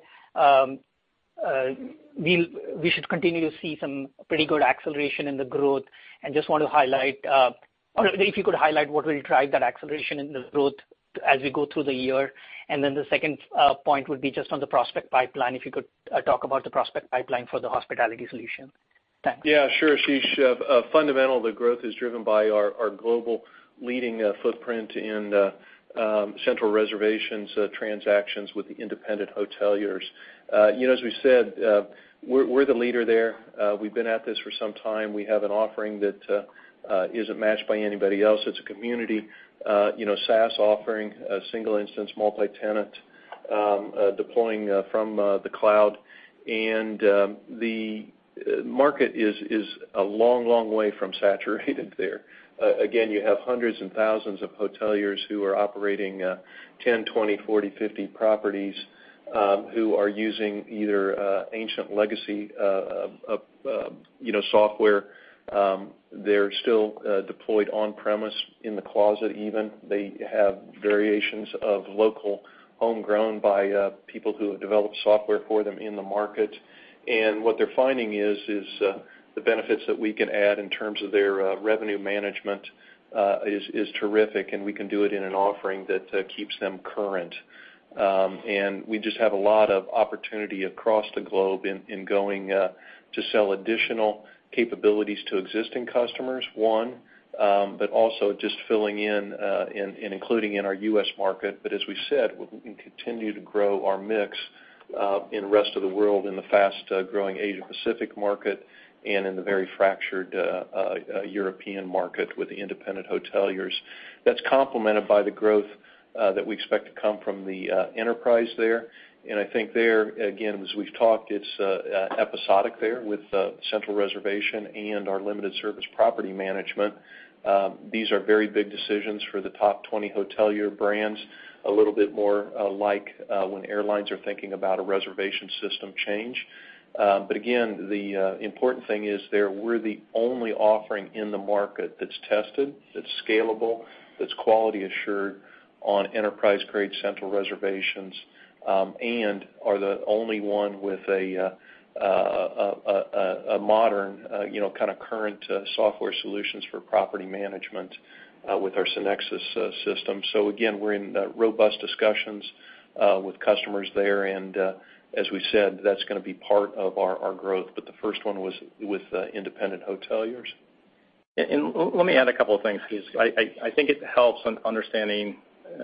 H: We should continue to see some pretty good acceleration in the growth, if you could highlight what will drive that acceleration in the growth as we go through the year. Then the second point would be just on the prospect pipeline, if you could talk about the prospect pipeline for the Hospitality Solutions. Thanks.
C: Yeah, sure, Ashish. Fundamental, the growth is driven by our global leading footprint in central reservations transactions with the independent hoteliers
D: As we said, we're the leader there. We've been at this for some time. We have an offering that isn't matched by anybody else. It's a community, SaaS offering, a single instance, multi-tenant, deploying from the cloud. The market is a long way from saturated there. Again, you have hundreds and thousands of hoteliers who are operating 10, 20, 40, 50 properties, who are using either ancient legacy software. They're still deployed on premise in the closet, even. They have variations of local, homegrown by people who have developed software for them in the market. What they're finding is, the benefits that we can add in terms of their revenue management is terrific, and we can do it in an offering that keeps them current. We just have a lot of opportunity across the globe in going to sell additional capabilities to existing customers, one, but also just filling in and including in our U.S. market. As we said, we can continue to grow our mix in the rest of the world, in the fast-growing Asia Pacific market, and in the very fractured European market with the independent hoteliers. That's complemented by the growth that we expect to come from the enterprise there. I think there, again, as we've talked, it's episodic there with central reservation and our limited service property management. These are very big decisions for the top 20 hotelier brands, a little bit more like when airlines are thinking about a reservation system change. Again, the important thing is there, we're the only offering in the market that's tested, that's scalable, that's quality assured on enterprise-grade central reservations, and are the only one with a modern, current software solutions for property management with our SynXis system. Again, we're in robust discussions with customers there, and as we said, that's going to be part of our growth. The first one was with independent hoteliers.
C: Let me add a couple of things because I think it helps in understanding,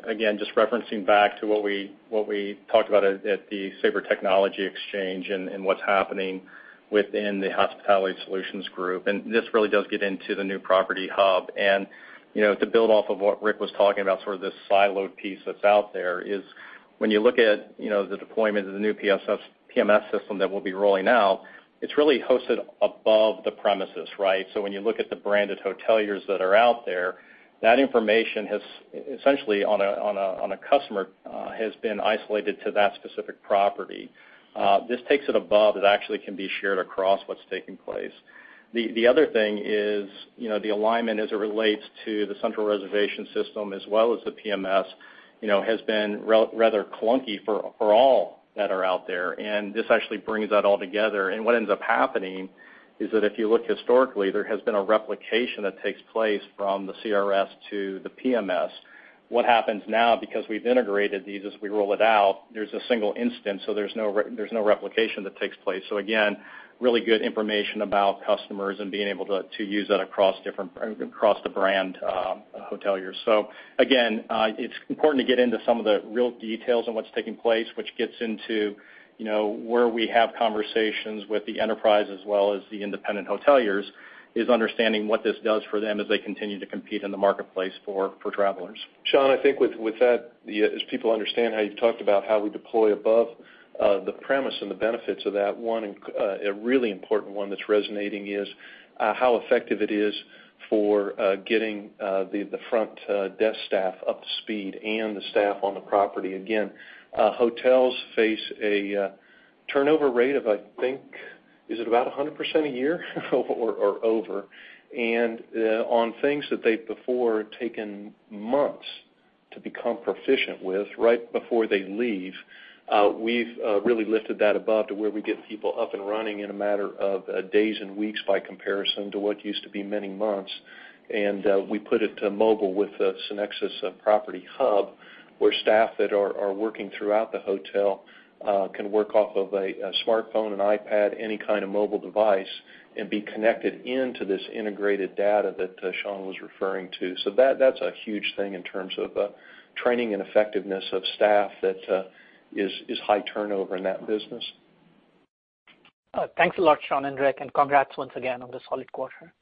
C: again, just referencing back to what we talked about at the Sabre Technology Exchange and what's happening within the Hospitality Solutions Group. This really does get into the new property hub. To build off of what Rick was talking about, this siloed piece that's out there is when you look at the deployment of the new PMS system that we'll be rolling out, it's really hosted above the premises. When you look at the branded hoteliers that are out there, that information has essentially, on a customer, has been isolated to that specific property. This takes it above. It actually can be shared across what's taking place. The other thing is the alignment as it relates to the central reservation system as well as the PMS, has been rather clunky for all that are out there, and this actually brings that all together. What ends up happening is that if you look historically, there has been a replication that takes place from the CRS to the PMS. What happens now, because we've integrated these as we roll it out, there's a single instance, there's no replication that takes place. Again, really good information about customers and being able to use that across the brand hoteliers. Again, it's important to get into some of the real details on what's taking place, which gets into where we have conversations with the enterprise as well as the independent hoteliers, is understanding what this does for them as they continue to compete in the marketplace for travelers.
D: Sean, I think with that, as people understand how you've talked about how we deploy above the premise and the benefits of that one, a really important one that's resonating is how effective it is for getting the front desk staff up to speed and the staff on the property. Again, hotels face a turnover rate of, I think, is it about 100% a year or over? On things that they've before taken months to become proficient with right before they leave, we've really lifted that above to where we get people up and running in a matter of days and weeks by comparison to what used to be many months. We put it to mobile with the SynXis Property Hub, where staff that are working throughout the hotel can work off of a smartphone, an iPad, any kind of mobile device, and be connected into this integrated data that Sean was referring to. That's a huge thing in terms of training and effectiveness of staff that is high turnover in that business.
H: Thanks a lot, Sean and Rick, congrats once again on the solid quarter.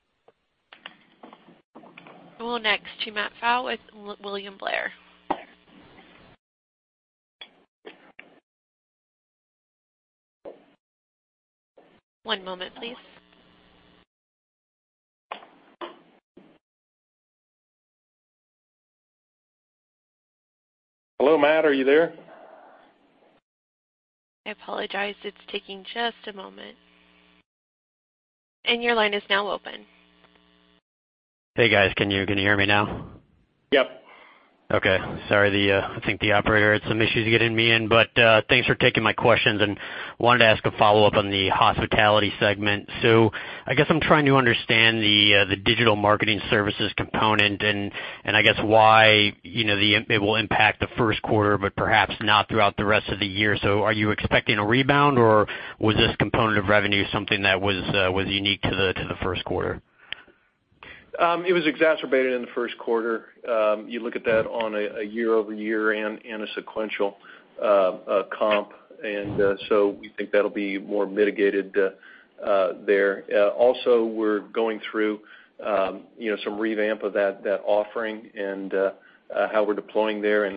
A: We'll next to Matthew Pfau with William Blair. One moment, please.
D: Hello, Matt. Are you there?
A: I apologize. It's taking just a moment. Your line is now open.
I: Hey, guys. Can you hear me now?
D: Yep.
I: Okay. Sorry. I think the operator had some issues getting me in, but thanks for taking my questions, and wanted to ask a follow-up on the Hospitality segment. I guess I'm trying to understand the digital marketing services component, and I guess why it will impact the first quarter, but perhaps not throughout the rest of the year. Are you expecting a rebound, or was this component of revenue something that was unique to the first quarter?
D: It was exacerbated in the first quarter. You look at that on a year-over-year and a sequential comp. We think that'll be more mitigated there. Also, we're going through some revamp of that offering and how we're deploying there,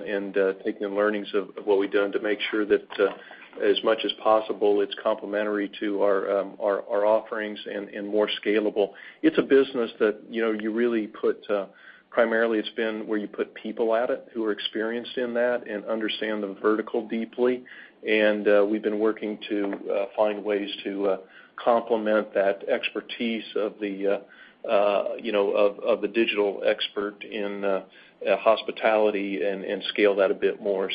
D: taking the learnings of what we've done to make sure that as much as possible, it's complementary to our offerings and more scalable. It's a business that you really put primarily it's been where you put people at it who are experienced in that and understand the vertical deeply. We've been working to find ways to complement that expertise of the digital expert in hospitality, and scale that a bit more.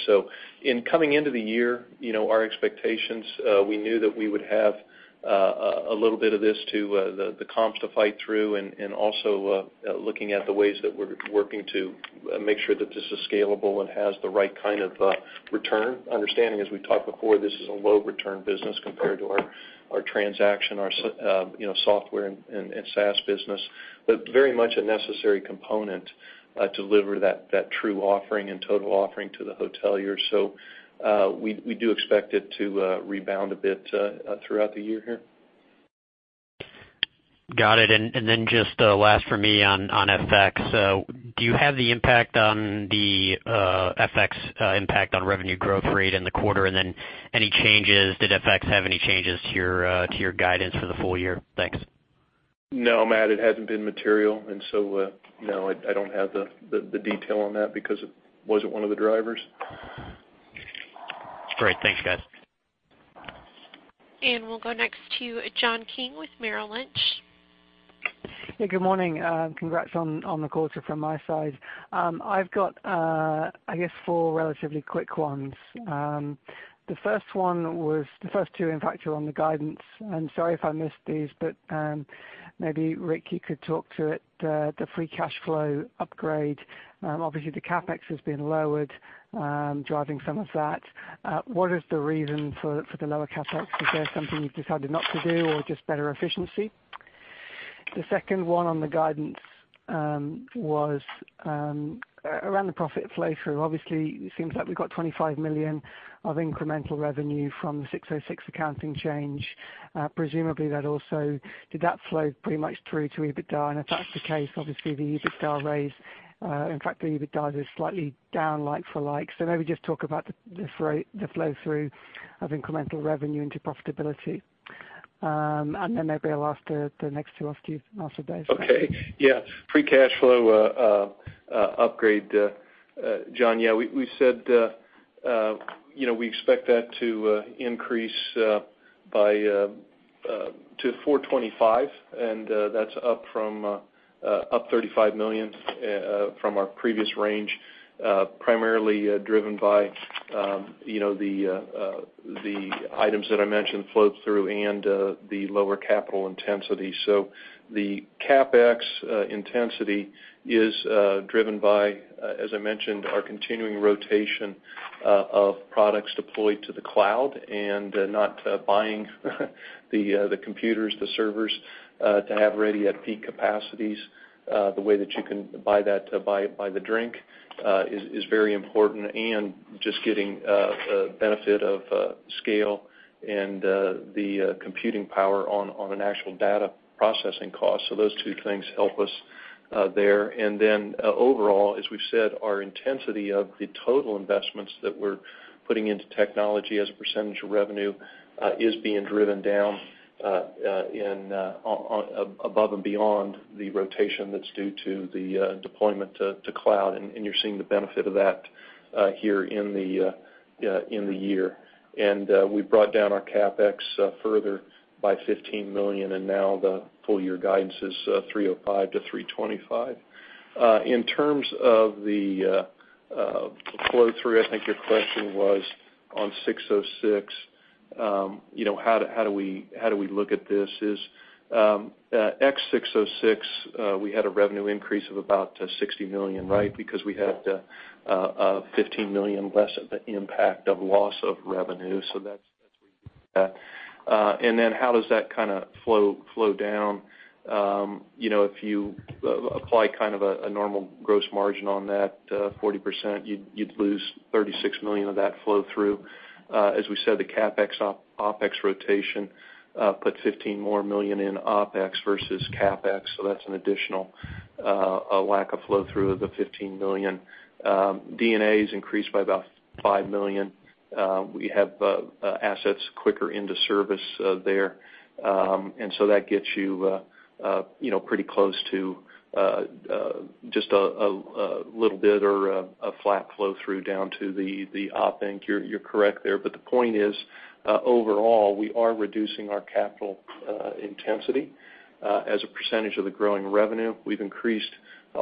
D: In coming into the year, our expectations, we knew that we would have a little bit of this to the comps to fight through, and also looking at the ways that we're working to make sure that this is scalable and has the right kind of return. Understanding, as we've talked before, this is a low return business compared to our transaction, our software, and SaaS business. Very much a necessary component to deliver that true offering and total offering to the hotelier. We do expect it to rebound a bit throughout the year here.
I: Got it. Just last for me on FX. Do you have the impact on the FX impact on revenue growth rate in the quarter? Any changes, did FX have any changes to your guidance for the full year? Thanks.
D: No, Matt, it hasn't been material. No, I don't have the detail on that because it wasn't one of the drivers.
I: Great. Thanks, guys.
A: We'll go next to John King with Merrill Lynch.
J: Yeah, good morning. Congrats on the quarter from my side. I've got, I guess four relatively quick ones. The first two, in fact, are on the guidance. Sorry if I missed these, but maybe Rick, you could talk to it, the free cash flow upgrade. Obviously, the CapEx has been lowered, driving some of that. What is the reason for the lower CapEx? Is there something you've decided not to do or just better efficiency? The second one on the guidance was around the profit flow through. Obviously, it seems like we got $25 million of incremental revenue from the ASC 606 accounting change. Presumably, did that flow pretty much through to EBITDA? If that's the case, obviously the EBITDA raise, in fact, the EBITDA is slightly down like for like. Maybe just talk about the flow through of incremental revenue into profitability. Maybe I'll ask the next two after those.
D: Okay. Free cash flow upgrade, John. We said we expect that to increase to $425 million, and that's up $35 million from our previous range. Primarily driven by the items that I mentioned, flow through and the lower capital intensity. The CapEx intensity is driven by, as I mentioned, our continuing rotation of products deployed to the cloud and not buying the computers, the servers, to have ready at peak capacities. The way that you can buy that by the drink is very important. Just getting a benefit of scale and the computing power on an actual data processing cost. Those two things help us there. Overall, as we've said, our intensity of the total investments that we're putting into technology as a percentage of revenue, is being driven down above and beyond the rotation that's due to the deployment to cloud, and you're seeing the benefit of that here in the year. We brought down our CapEx further by $15 million, and now the full year guidance is $305 million-$325 million. In terms of the flow through, I think your question was on ASC 606. How do we look at this is, ex ASC 606, we had a revenue increase of about $60 million, right? Because we had $15 million less of the impact of loss of revenue. That's where you get that. How does that kind of flow down? If you apply a normal gross margin on that 40%, you'd lose $36 million of that flow through. As we said, the CapEx, OpEx rotation put $15 million more in OpEx versus CapEx, that's an additional lack of flow through of the $15 million. D&A has increased by about $5 million. We have assets quicker into service there. That gets you pretty close to just a little bit or a flat flow through down to the Op Inc. You're correct there. The point is, overall, we are reducing our capital intensity as a percentage of the growing revenue. We've increased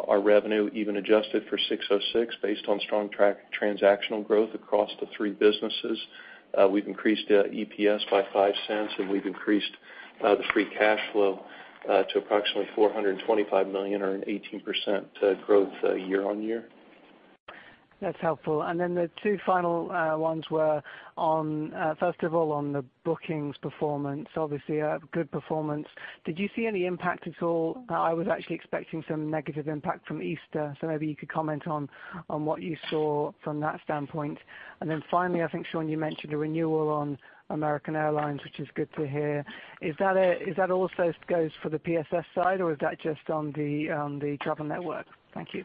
D: our revenue, even adjusted for ASC 606 based on strong transactional growth across the three businesses. We've increased EPS by $0.05, and we've increased the free cash flow to approximately $425 million or an 18% growth year-over-year.
J: That's helpful. The two final ones were on, first of all, on the bookings performance, obviously a good performance. Did you see any impact at all? I was actually expecting some negative impact from Easter, maybe you could comment on what you saw from that standpoint. Finally, I think, Sean, you mentioned a renewal on American Airlines, which is good to hear. Is that also goes for the PSS side or is that just on the Travel Network? Thank you.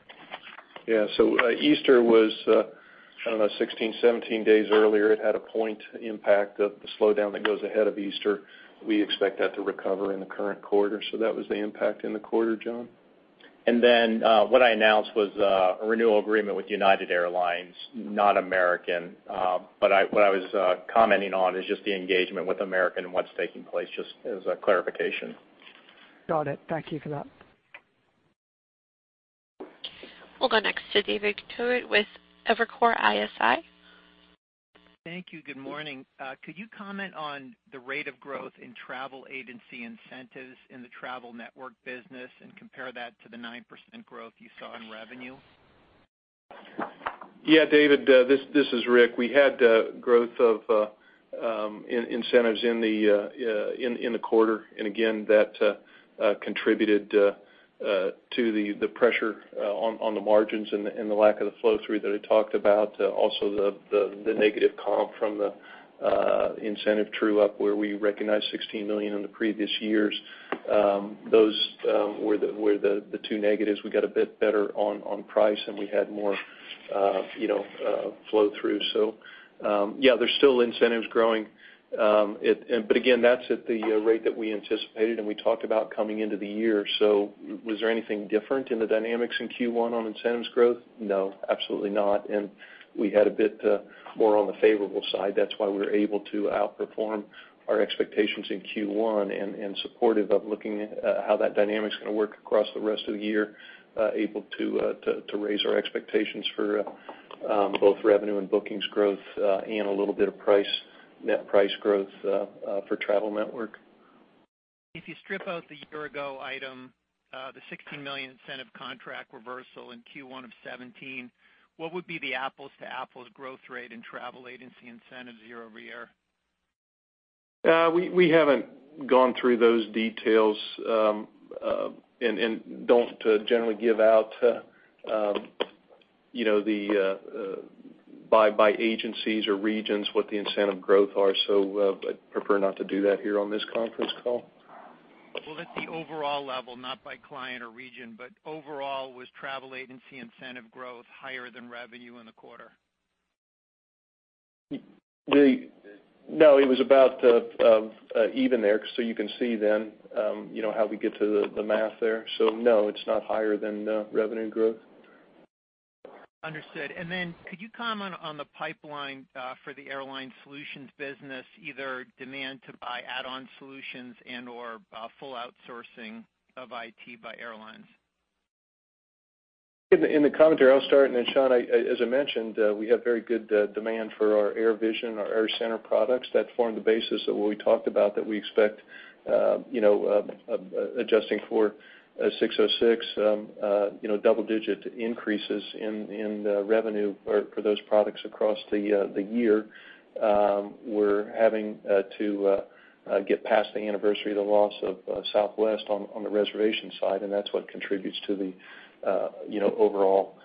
D: Easter was, I don't know, 16, 17 days earlier. It had a point impact of the slowdown that goes ahead of Easter. We expect that to recover in the current quarter. That was the impact in the quarter, John.
C: What I announced was a renewal agreement with United Airlines, not American. What I was commenting on is just the engagement with American and what's taking place, just as a clarification.
J: Got it. Thank you for that.
A: We'll go next to David Togut with Evercore ISI.
K: Thank you. Good morning. Could you comment on the rate of growth in travel agency incentives in the Travel Network business and compare that to the 9% growth you saw in revenue?
D: Yeah, David, this is Rick. Again, that contributed to the pressure on the margins and the lack of the flow-through that I talked about. Also the negative comp from the incentive true-up where we recognized $16 million in the previous years. Those were the two negatives. We got a bit better on price, and we had more flow-through. Yeah, there's still incentives growing. Again, that's at the rate that we anticipated and we talked about coming into the year. Was there anything different in the dynamics in Q1 on incentives growth? No, absolutely not. We had a bit more on the favorable side. That's why we were able to outperform our expectations in Q1 and supportive of looking at how that dynamic's going to work across the rest of the year, able to raise our expectations for both revenue and bookings growth, and a little bit of net price growth for Travel Network.
K: If you strip out the year-ago item, the $16 million incentive contract reversal in Q1 of 2017, what would be the apples to apples growth rate in travel agency incentives year-over-year?
D: We haven't gone through those details. Don't generally give out by agencies or regions what the incentive growth are. I'd prefer not to do that here on this conference call.
K: Well, at the overall level, not by client or region, but overall, was travel agency incentive growth higher than revenue in the quarter?
D: No, it was about even there. You can see then how we get to the math there. No, it's not higher than revenue growth.
K: Understood. Then could you comment on the pipeline for the Airline Solutions business, either demand to buy add-on solutions and/or full outsourcing of IT by airlines?
D: In the commentary, I'll start. Then Sean. As I mentioned, we have very good demand for our AirVision, our AirCentre products that form the basis of what we talked about that we expect, adjusting for 606, double-digit increases in revenue for those products across the year. We're having to get past the anniversary of the loss of Southwest on the reservation side. That's what contributes to the overall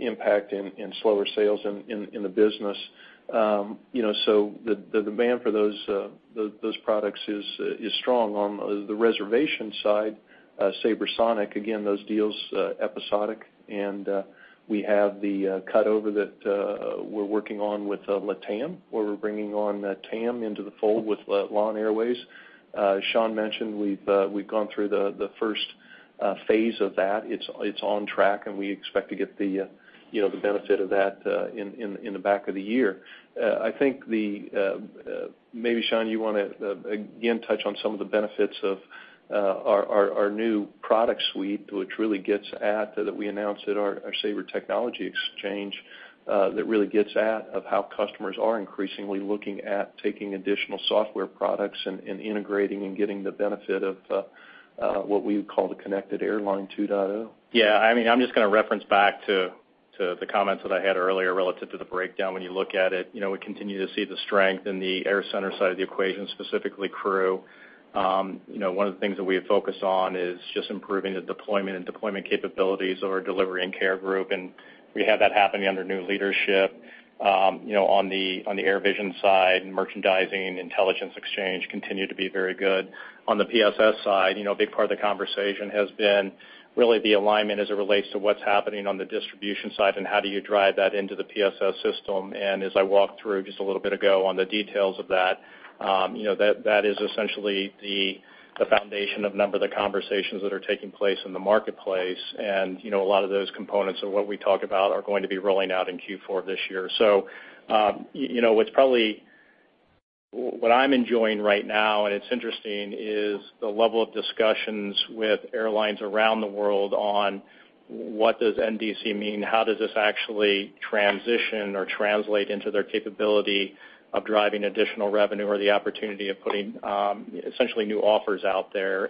D: impact in slower sales in the business. The demand for those products is strong. On the reservation side, SabreSonic, again, those deals, episodic. We have the cut-over that we're working on with LATAM, where we're bringing on TAM into the fold with LAN Airlines. Sean mentioned we've gone through the first phase of that. It's on track. We expect to get the benefit of that in the back of the year. Maybe Sean, you want to again touch on some of the benefits of our new product suite, which really gets at that we announced at our Sabre Technology Exchange, that really gets at how customers are increasingly looking at taking additional software products and integrating and getting the benefit of what we would call the Connected Airline 2.0.
C: Yeah. I'm just going to reference back to the comments that I had earlier relative to the breakdown. When you look at it, we continue to see the strength in the AirCentre side of the equation, specifically crew. One of the things that we have focused on is just improving the deployment and deployment capabilities of our delivery and care group. We have that happening under new leadership. On the AirVision side, merchandising, Intelligence Exchange continue to be very good. On the PSS side, a big part of the conversation has been really the alignment as it relates to what's happening on the distribution side. How do you drive that into the PSS system. As I walked through just a little bit ago on the details of that is essentially the foundation of a number of the conversations that are taking place in the marketplace. A lot of those components of what we talk about are going to be rolling out in Q4 this year. What I'm enjoying right now, and it's interesting, is the level of discussions with airlines around the world on what does NDC mean? How does this actually transition or translate into their capability of driving additional revenue or the opportunity of putting essentially new offers out there.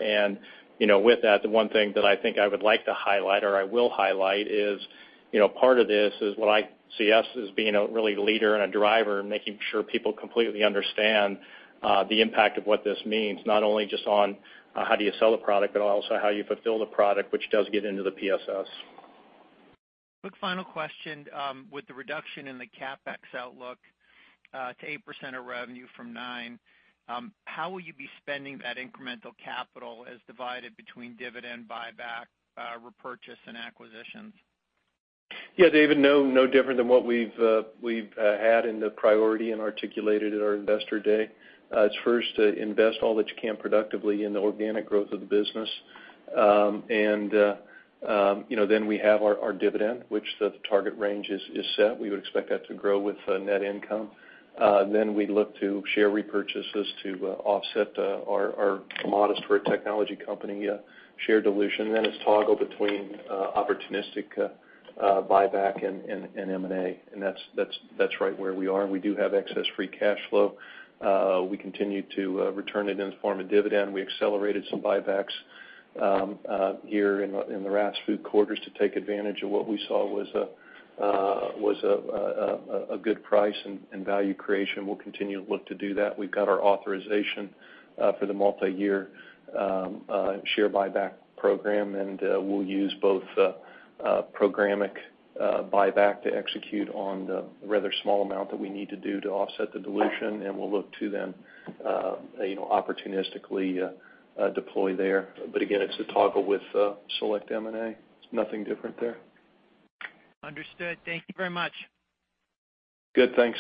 C: With that, the one thing that I think I would like to highlight or I will highlight is, part of this is what I see us as being a real leader and a driver in making sure people completely understand the impact of what this means, not only just on how do you sell a product, but also how you fulfill the product, which does get into the PSS.
K: Quick final question. With the reduction in the CapEx outlook to 8% of revenue from 9%, how will you be spending that incremental capital as divided between dividend, buyback, repurchase, and acquisitions?
D: David, no different than what we've had in the priority and articulated at our Investor Day. It's first to invest all that you can productively in the organic growth of the business. We have our dividend, which the target range is set. We would expect that to grow with net income. We'd look to share repurchases to offset our modest for a technology company share dilution. It's toggle between opportunistic buyback and M&A, and that's right where we are, and we do have excess free cash flow. We continue to return it in the form of dividend. We accelerated some buybacks here in the last few quarters to take advantage of what we saw was a good price and value creation. We'll continue to look to do that. We've got our authorization for the multi-year share buyback program. We'll use both programmatic buyback to execute on the rather small amount that we need to do to offset the dilution, and we'll look to then opportunistically deploy there. Again, it's a toggle with select M&A. It's nothing different there.
K: Understood. Thank you very much.
D: Good. Thanks.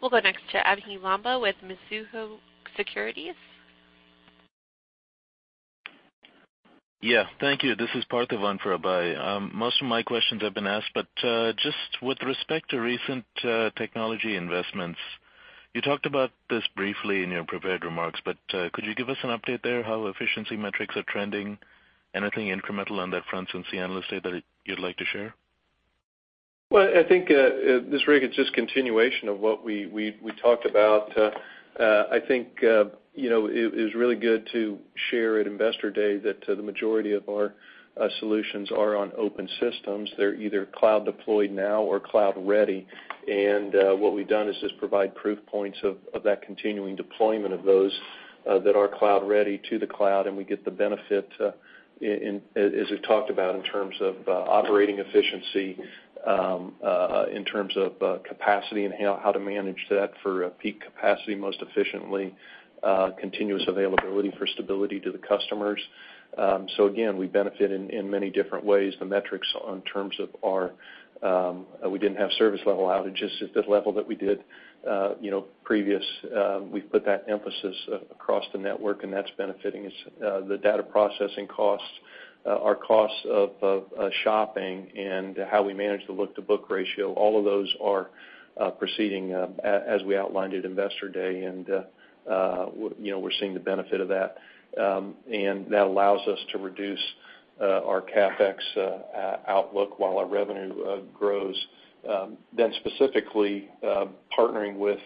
A: We'll go next to Abhey Lamba with Mizuho Securities.
L: Yeah. Thank you. This is Parthiv for Abhey. Most of my questions have been asked, but just with respect to recent technology investments, you talked about this briefly in your prepared remarks, but could you give us an update there, how efficiency metrics are trending? Anything incremental on that front since the Analyst Day that you'd like to share?
D: Well, I think, this really is just continuation of what we talked about. I think it was really good to share at Investor Day that the majority of our solutions are on open systems. They're either cloud deployed now or cloud ready. What we've done is just provide proof points of that continuing deployment of those that are cloud ready to the cloud, and we get the benefit, as we've talked about, in terms of operating efficiency, in terms of capacity and how to manage that for a peak capacity most efficiently, continuous availability for stability to the customers. Again, we benefit in many different ways. We didn't have service level outages at the level that we did previous. We've put that emphasis across the network, that's benefiting the data processing costs, our costs of shopping, and how we manage the look-to-book ratio. All of those are proceeding as we outlined at Investor Day, and we're seeing the benefit of that. That allows us to reduce our CapEx outlook while our revenue grows, specifically partnering with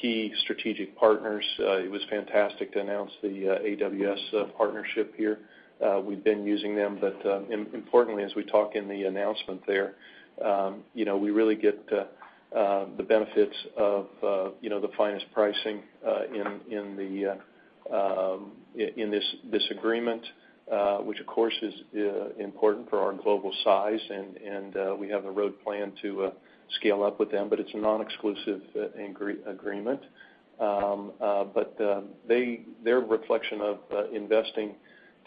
D: key strategic partners. It was fantastic to announce the AWS partnership here. We've been using them, but importantly, as we talk in the announcement there, we really get the benefits of the finest pricing in this agreement, which of course is important for our global size, and we have a road plan to scale up with them, but it's a non-exclusive agreement. Their reflection of investing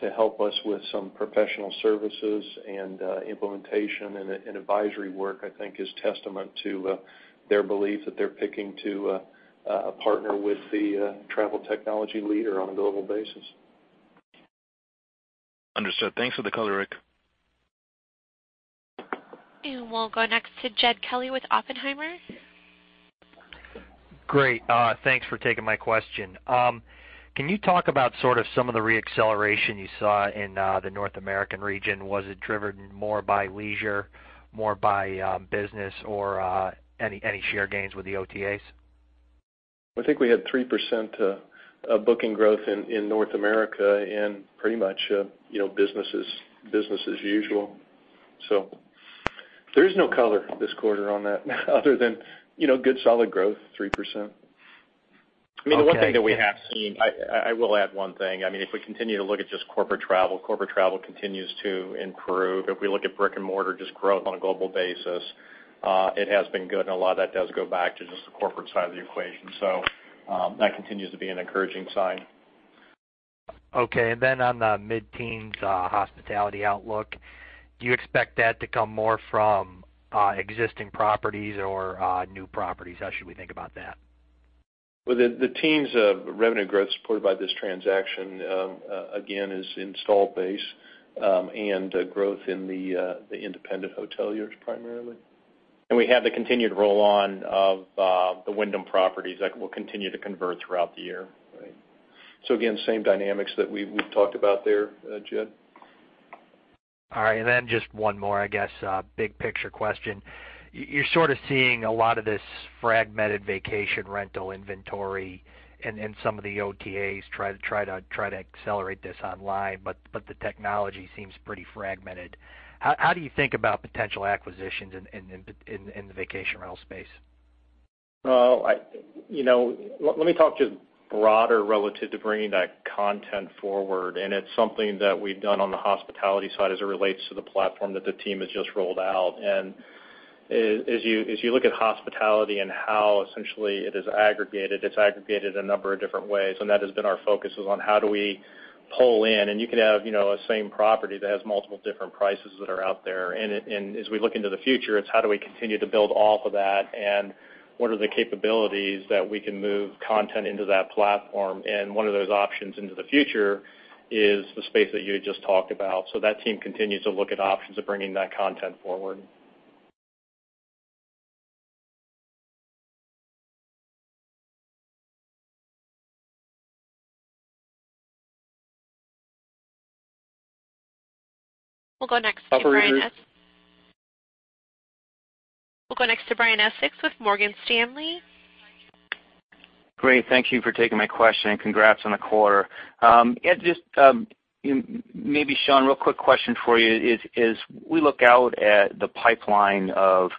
D: to help us with some professional services and implementation and advisory work, I think is testament to their belief that they're picking to partner with the travel technology leader on a global basis.
L: Understood. Thanks for the color, Rick.
A: We'll go next to Jed Kelly with Oppenheimer.
M: Great. Thanks for taking my question. Can you talk about some of the re-acceleration you saw in the North American region? Was it driven more by leisure, more by business, or any share gains with the OTAs?
D: I think we had 3% of booking growth in North America and pretty much business as usual. There is no color this quarter on that other than good solid growth, 3%.
M: Okay.
D: I mean, the one thing that we have seen. I will add one thing. If we continue to look at just corporate travel, corporate travel continues to improve. If we look at brick and mortar, just growth on a global basis, it has been good, and a lot of that does go back to just the corporate side of the equation. That continues to be an encouraging sign.
M: Okay. Then on the mid-teens hospitality outlook, do you expect that to come more from existing properties or new properties? How should we think about that?
D: Well, the teens of revenue growth supported by this transaction, again, is install base and growth in the independent hoteliers primarily.
C: We have the continued roll-on of the Wyndham properties that will continue to convert throughout the year.
D: Right. Again, same dynamics that we've talked about there, Jed.
M: Then just one more, I guess, big picture question. You're sort of seeing a lot of this fragmented vacation rental inventory and some of the OTAs try to accelerate this online. The technology seems pretty fragmented. How do you think about potential acquisitions in the vacation rental space?
C: Well, let me talk just broader relative to bringing that content forward. It's something that we've done on the hospitality side as it relates to the platform that the team has just rolled out. As you look at hospitality and how essentially it is aggregated, it's aggregated a number of different ways, and that has been our focus is on how do we pull in. You could have a same property that has multiple different prices that are out there. As we look into the future, it's how do we continue to build off of that and what are the capabilities that we can move content into that platform? One of those options into the future is the space that you had just talked about. That team continues to look at options of bringing that content forward.
A: We'll go next to Brian. Operator. We'll go next to Brian Essex with Morgan Stanley.
N: Great. Thank you for taking my question, and congrats on the quarter. Maybe Sean, real quick question for you. As we look out at the pipeline of,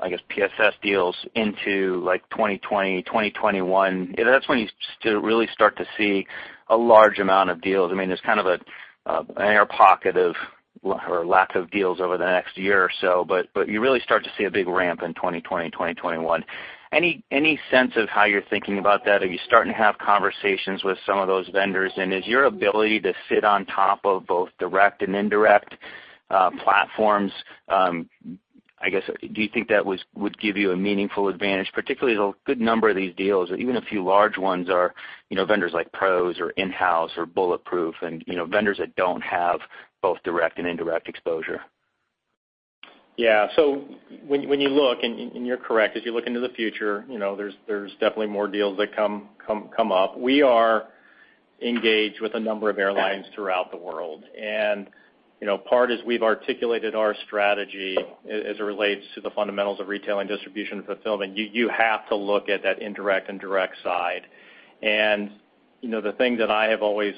N: I guess, PSS deals into 2020, 2021, that's when you really start to see a large amount of deals. There's kind of an air pocket of, or lack of deals over the next year or so, but you really start to see a big ramp in 2020, 2021. Any sense of how you're thinking about that? Are you starting to have conversations with some of those vendors? Is your ability to sit on top of both direct and indirect platforms, I guess, do you think that would give you a meaningful advantage? Particularly as a good number of these deals, or even a few large ones are vendors like PROS or in-house or bulletproof and vendors that don't have both direct and indirect exposure.
C: Yeah. When you look, and you're correct, as you look into the future, there's definitely more deals that come up. We are engaged with a number of airlines throughout the world. Part is we've articulated our strategy as it relates to the fundamentals of retail and distribution fulfillment. You have to look at that indirect and direct side. The thing that I have always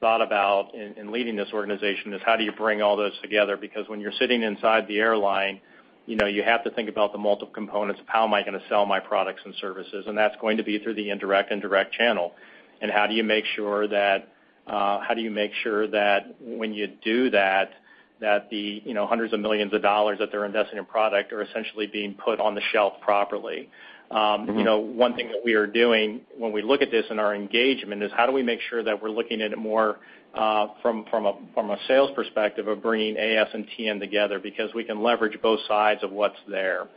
C: thought about in leading this organization is how do you bring all those together? Because when you're sitting inside the airline, you have to think about the multiple components of how am I going to sell my products and services? That's going to be through the indirect and direct channel. How do you make sure that when you do that the hundreds of millions of dollars that they're investing in product are essentially being put on the shelf properly? One thing that we are doing when we look at this in our engagement is how do we make sure that we're looking at it more from a sales perspective of bringing AS and TN together because we can leverage both sides of what's there.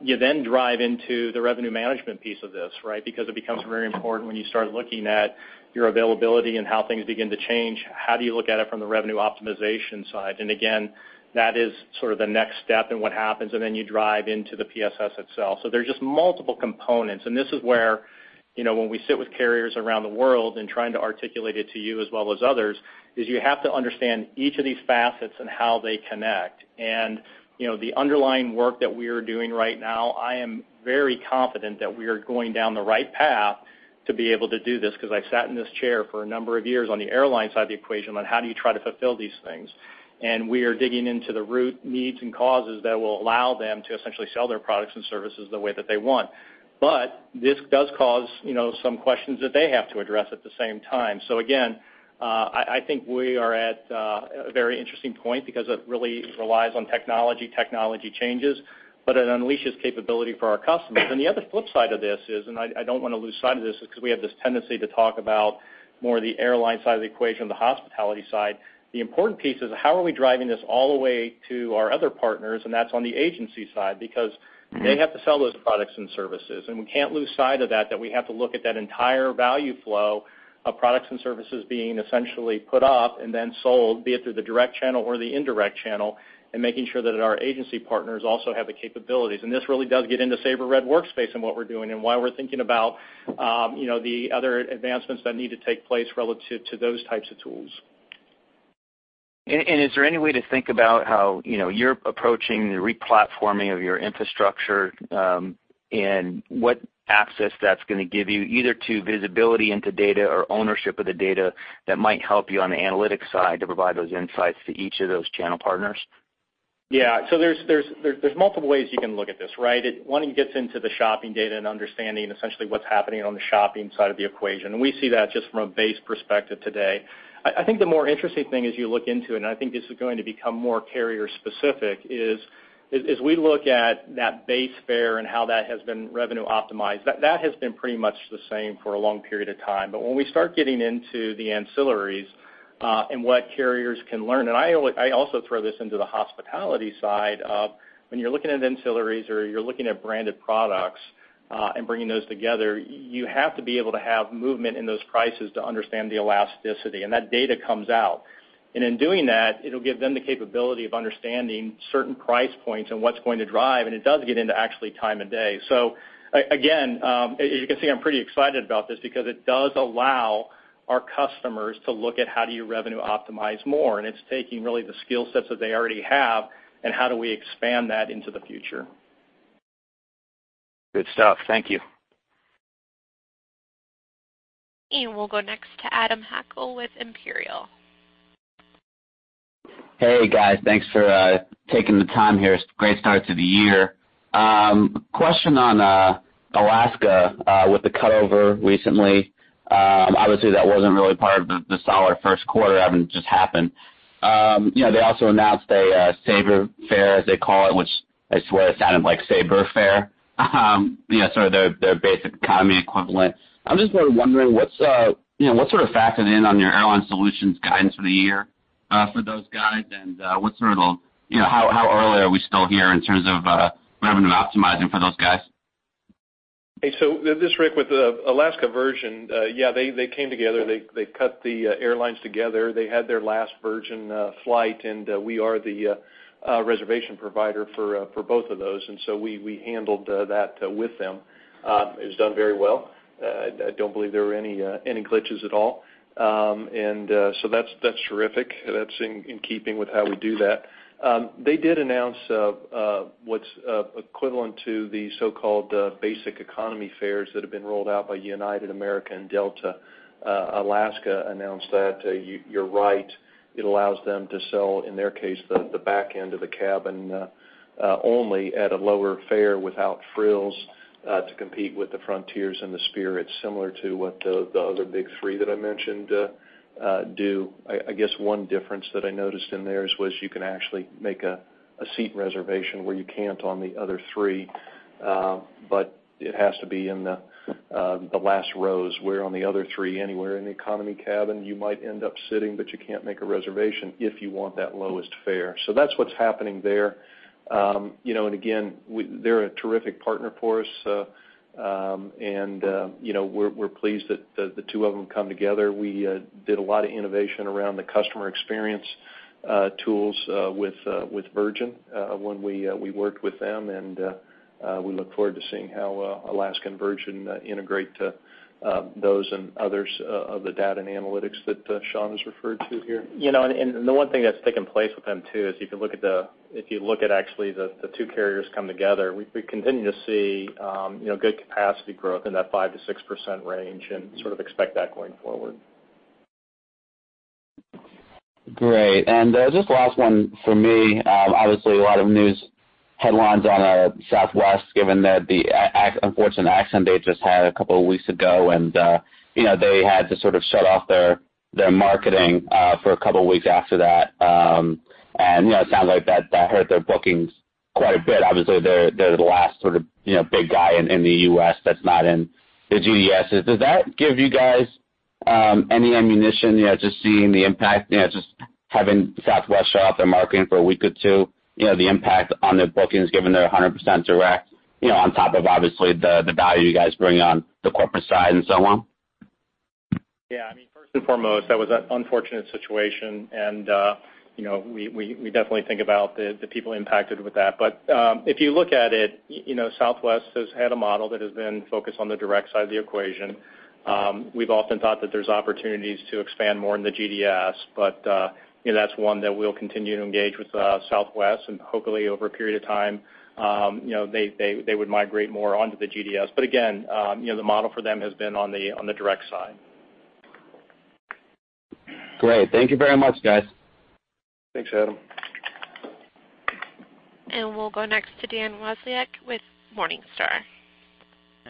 C: You then drive into the revenue management piece of this, right? Because it becomes very important when you start looking at your availability and how things begin to change. How do you look at it from the revenue optimization side? Again, that is sort of the next step in what happens, you drive into the PSS itself. There's just multiple components, this is where when we sit with carriers around the world and trying to articulate it to you as well as others, is you have to understand each of these facets and how they connect. The underlying work that we are doing right now, I am very confident that we are going down the right path to be able to do this because I've sat in this chair for a number of years on the airline side of the equation on how do you try to fulfill these things. We are digging into the root needs and causes that will allow them to essentially sell their products and services the way that they want. This does cause some questions that they have to address at the same time. Again, I think we are at a very interesting point because it really relies on technology changes, but it unleashes capability for our customers. The other flip side of this is, and I don't want to lose sight of this because we have this tendency to talk about more the airline side of the equation or the hospitality side. The important piece is how are we driving this all the way to our other partners, and that's on the agency side, because they have to sell those products and services. We can't lose sight of that we have to look at that entire value flow of products and services being essentially put up and then sold, be it through the direct channel or the indirect channel, and making sure that our agency partners also have the capabilities. This really does get into Sabre Red Workspace and what we're doing, and why we're thinking about the other advancements that need to take place relative to those types of tools.
N: Is there any way to think about how you're approaching the re-platforming of your infrastructure, and what access that's going to give you, either to visibility into data or ownership of the data that might help you on the analytics side to provide those insights to each of those channel partners?
C: Yeah. There's multiple ways you can look at this, right? One, it gets into the shopping data and understanding essentially what's happening on the shopping side of the equation. We see that just from a base perspective today. I think the more interesting thing as you look into it, and I think this is going to become more carrier-specific is, as we look at that base fare and how that has been revenue optimized, that has been pretty much the same for a long period of time. When we start getting into the ancillaries, and what carriers can learn, and I also throw this into the hospitality side of when you're looking at ancillaries or you're looking at branded products, and bringing those together, you have to be able to have movement in those prices to understand the elasticity, and that data comes out. In doing that, it'll give them the capability of understanding certain price points and what's going to drive, and it does get into actually time and day. Again, as you can see, I'm pretty excited about this because it does allow our customers to look at how do you revenue optimize more, and it's taking really the skill sets that they already have and how do we expand that into the future.
N: Good stuff. Thank you.
A: We'll go next to Adam Hackel with Imperial.
O: Hey, guys. Thanks for taking the time here. Great start to the year. Question on Alaska with the cutover recently. Obviously, that wasn't really part of the solid first quarter, having just happened. They also announced a Saver Fare, as they call it, which I swear sounded like Sabre fare, sort of their basic economy equivalent. I'm just wondering what sort of factored in on your Airline Solutions guidance for the year for those guys and how early are we still here in terms of revenue optimizing for those guys?
D: This is Rick with the Alaska Virgin. They came together. They cut the airlines together. They had their last Virgin flight, and we are the reservation provider for both of those, we handled that with them. It was done very well. I don't believe there were any glitches at all. That's terrific. That's in keeping with how we do that. They did announce what's equivalent to the so-called basic economy fares that have been rolled out by United, American, Delta. Alaska announced that, you're right, it allows them to sell, in their case, the back end of the cabin only at a lower fare without frills to compete with the Frontiers and the Spirits, similar to what the other big three that I mentioned do. I guess one difference that I noticed in theirs was you can actually make a seat reservation where you can't on the other three, but it has to be in the last rows, where on the other three, anywhere in the economy cabin, you might end up sitting, but you can't make a reservation if you want that lowest fare. That's what's happening there. Again, they're a terrific partner for us. We're pleased that the two of them come together. We did a lot of innovation around the customer experience tools with Virgin when we worked with them, and we look forward to seeing how Alaska and Virgin integrate those and others of the data and analytics that Sean has referred to here.
C: The one thing that's taken place with them, too, is if you look at actually the two carriers come together, we continue to see good capacity growth in that 5%-6% range and sort of expect that going forward.
O: Great. Just last one from me. Obviously, a lot of news headlines on Southwest given the unfortunate accident they just had a couple of weeks ago, and they had to sort of shut off their marketing for a couple weeks after that. It sounds like that hurt their bookings quite a bit. Obviously, they're the last sort of big guy in the U.S. that's not in the GDS. Does that give you guys any ammunition, just seeing the impact, just having Southwest shut off their marketing for a week or two, the impact on their bookings given they're 100% direct, on top of obviously the value you guys bring on the corporate side and so on?
C: Yeah, I mean, first and foremost, that was an unfortunate situation. We definitely think about the people impacted with that. If you look at it, Southwest has had a model that has been focused on the direct side of the equation. We've often thought that there's opportunities to expand more in the GDS, that's one that we'll continue to engage with Southwest, and hopefully over a period of time they would migrate more onto the GDS. Again, the model for them has been on the direct side.
O: Great. Thank you very much, guys.
D: Thanks, Adam.
A: We'll go next to Dan Wasiolek with Morningstar.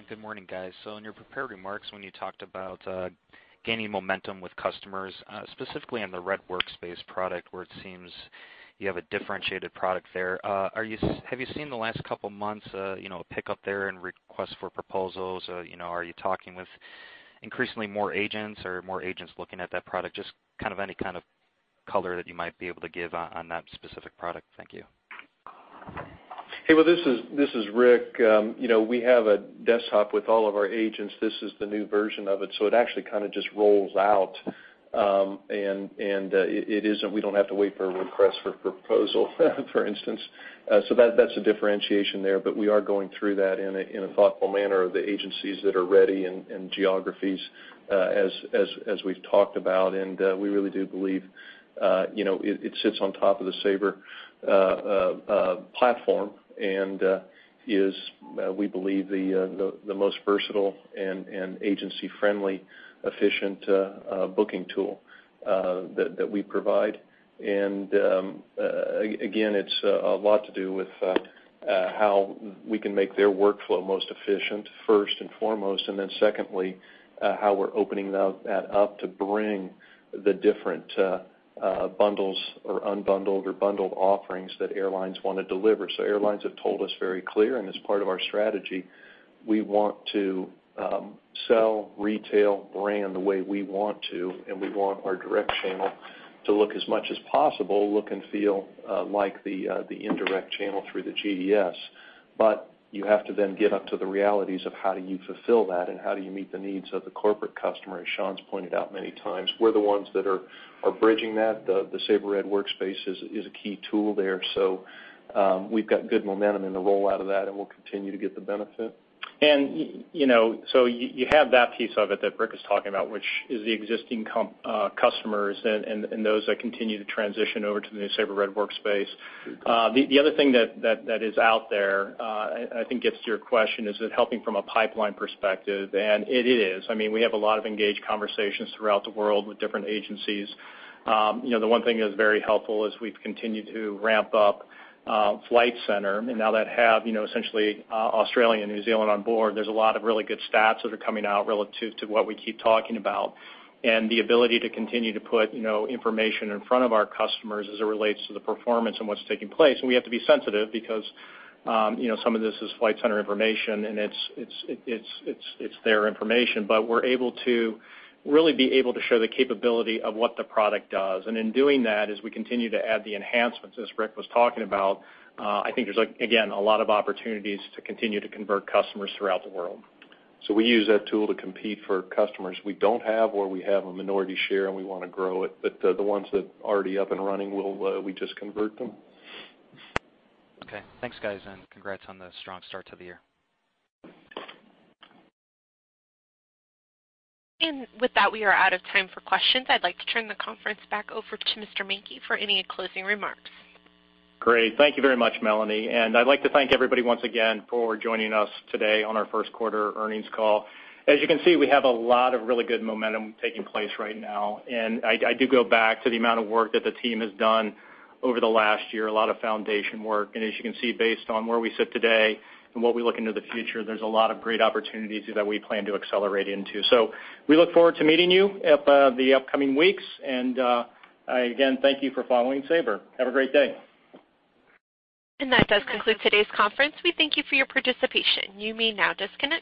P: Good morning, guys. In your prepared remarks, when you talked about gaining momentum with customers, specifically on the Sabre Red Workspace product where it seems you have a differentiated product there, have you seen the last couple months a pickup there in requests for proposals? Are you talking with increasingly more agents or more agents looking at that product? Just any kind of color that you might be able to give on that specific product. Thank you.
D: Hey, well, this is Rick. We have a desktop with all of our agents. This is the new version of it actually kind of just rolls out. We don't have to wait for a request for proposal, for instance. That's a differentiation there, we are going through that in a thoughtful manner of the agencies that are ready and geographies as we've talked about. We really do believe it sits on top of the Sabre platform and is, we believe, the most versatile and agency-friendly, efficient booking tool that we provide. Again, it's a lot to do with how we can make their workflow most efficient first and foremost, then secondly, how we're opening that up to bring the different bundles or unbundled or bundled offerings that airlines want to deliver. Airlines have told us very clear, as part of our strategy, we want to sell retail brand the way we want to, we want our direct channel to look as much as possible, look and feel like the indirect channel through the GDS. You have to then get up to the realities of how do you fulfill that and how do you meet the needs of the corporate customer, as Sean's pointed out many times. We're the ones that are bridging that. The Sabre Red Workspace is a key tool there. We've got good momentum in the rollout of that, we'll continue to get the benefit.
C: You have that piece of it that Rick is talking about, which is the existing customers and those that continue to transition over to the new Sabre Red Workspace. The other thing that is out there, I think gets to your question, is it helping from a pipeline perspective? It is. I mean, we have a lot of engaged conversations throughout the world with different agencies. The one thing that's very helpful is we've continued to ramp up Flight Centre. Now that have essentially Australia and New Zealand on board, there's a lot of really good stats that are coming out relative to what we keep talking about and the ability to continue to put information in front of our customers as it relates to the performance and what's taking place. We have to be sensitive because some of this is Flight Centre information and it's their information, but we're able to really be able to show the capability of what the product does. In doing that, as we continue to add the enhancements, as Rick was talking about, I think there's, again, a lot of opportunities to continue to convert customers throughout the world.
D: We use that tool to compete for customers we don't have or we have a minority share and we want to grow it. The ones that are already up and running, we just convert them.
P: Okay. Thanks, guys, and congrats on the strong start to the year.
A: With that, we are out of time for questions. I'd like to turn the conference back over to Mr. Menke for any closing remarks.
C: Great. Thank you very much, Melanie. I'd like to thank everybody once again for joining us today on our first quarter earnings call. As you can see, we have a lot of really good momentum taking place right now, and I do go back to the amount of work that the team has done over the last year, a lot of foundation work. As you can see, based on where we sit today and what we look into the future, there's a lot of great opportunities that we plan to accelerate into. We look forward to meeting you at the upcoming weeks. Again, thank you for following Sabre. Have a great day.
A: That does conclude today's conference. We thank you for your participation. You may now disconnect.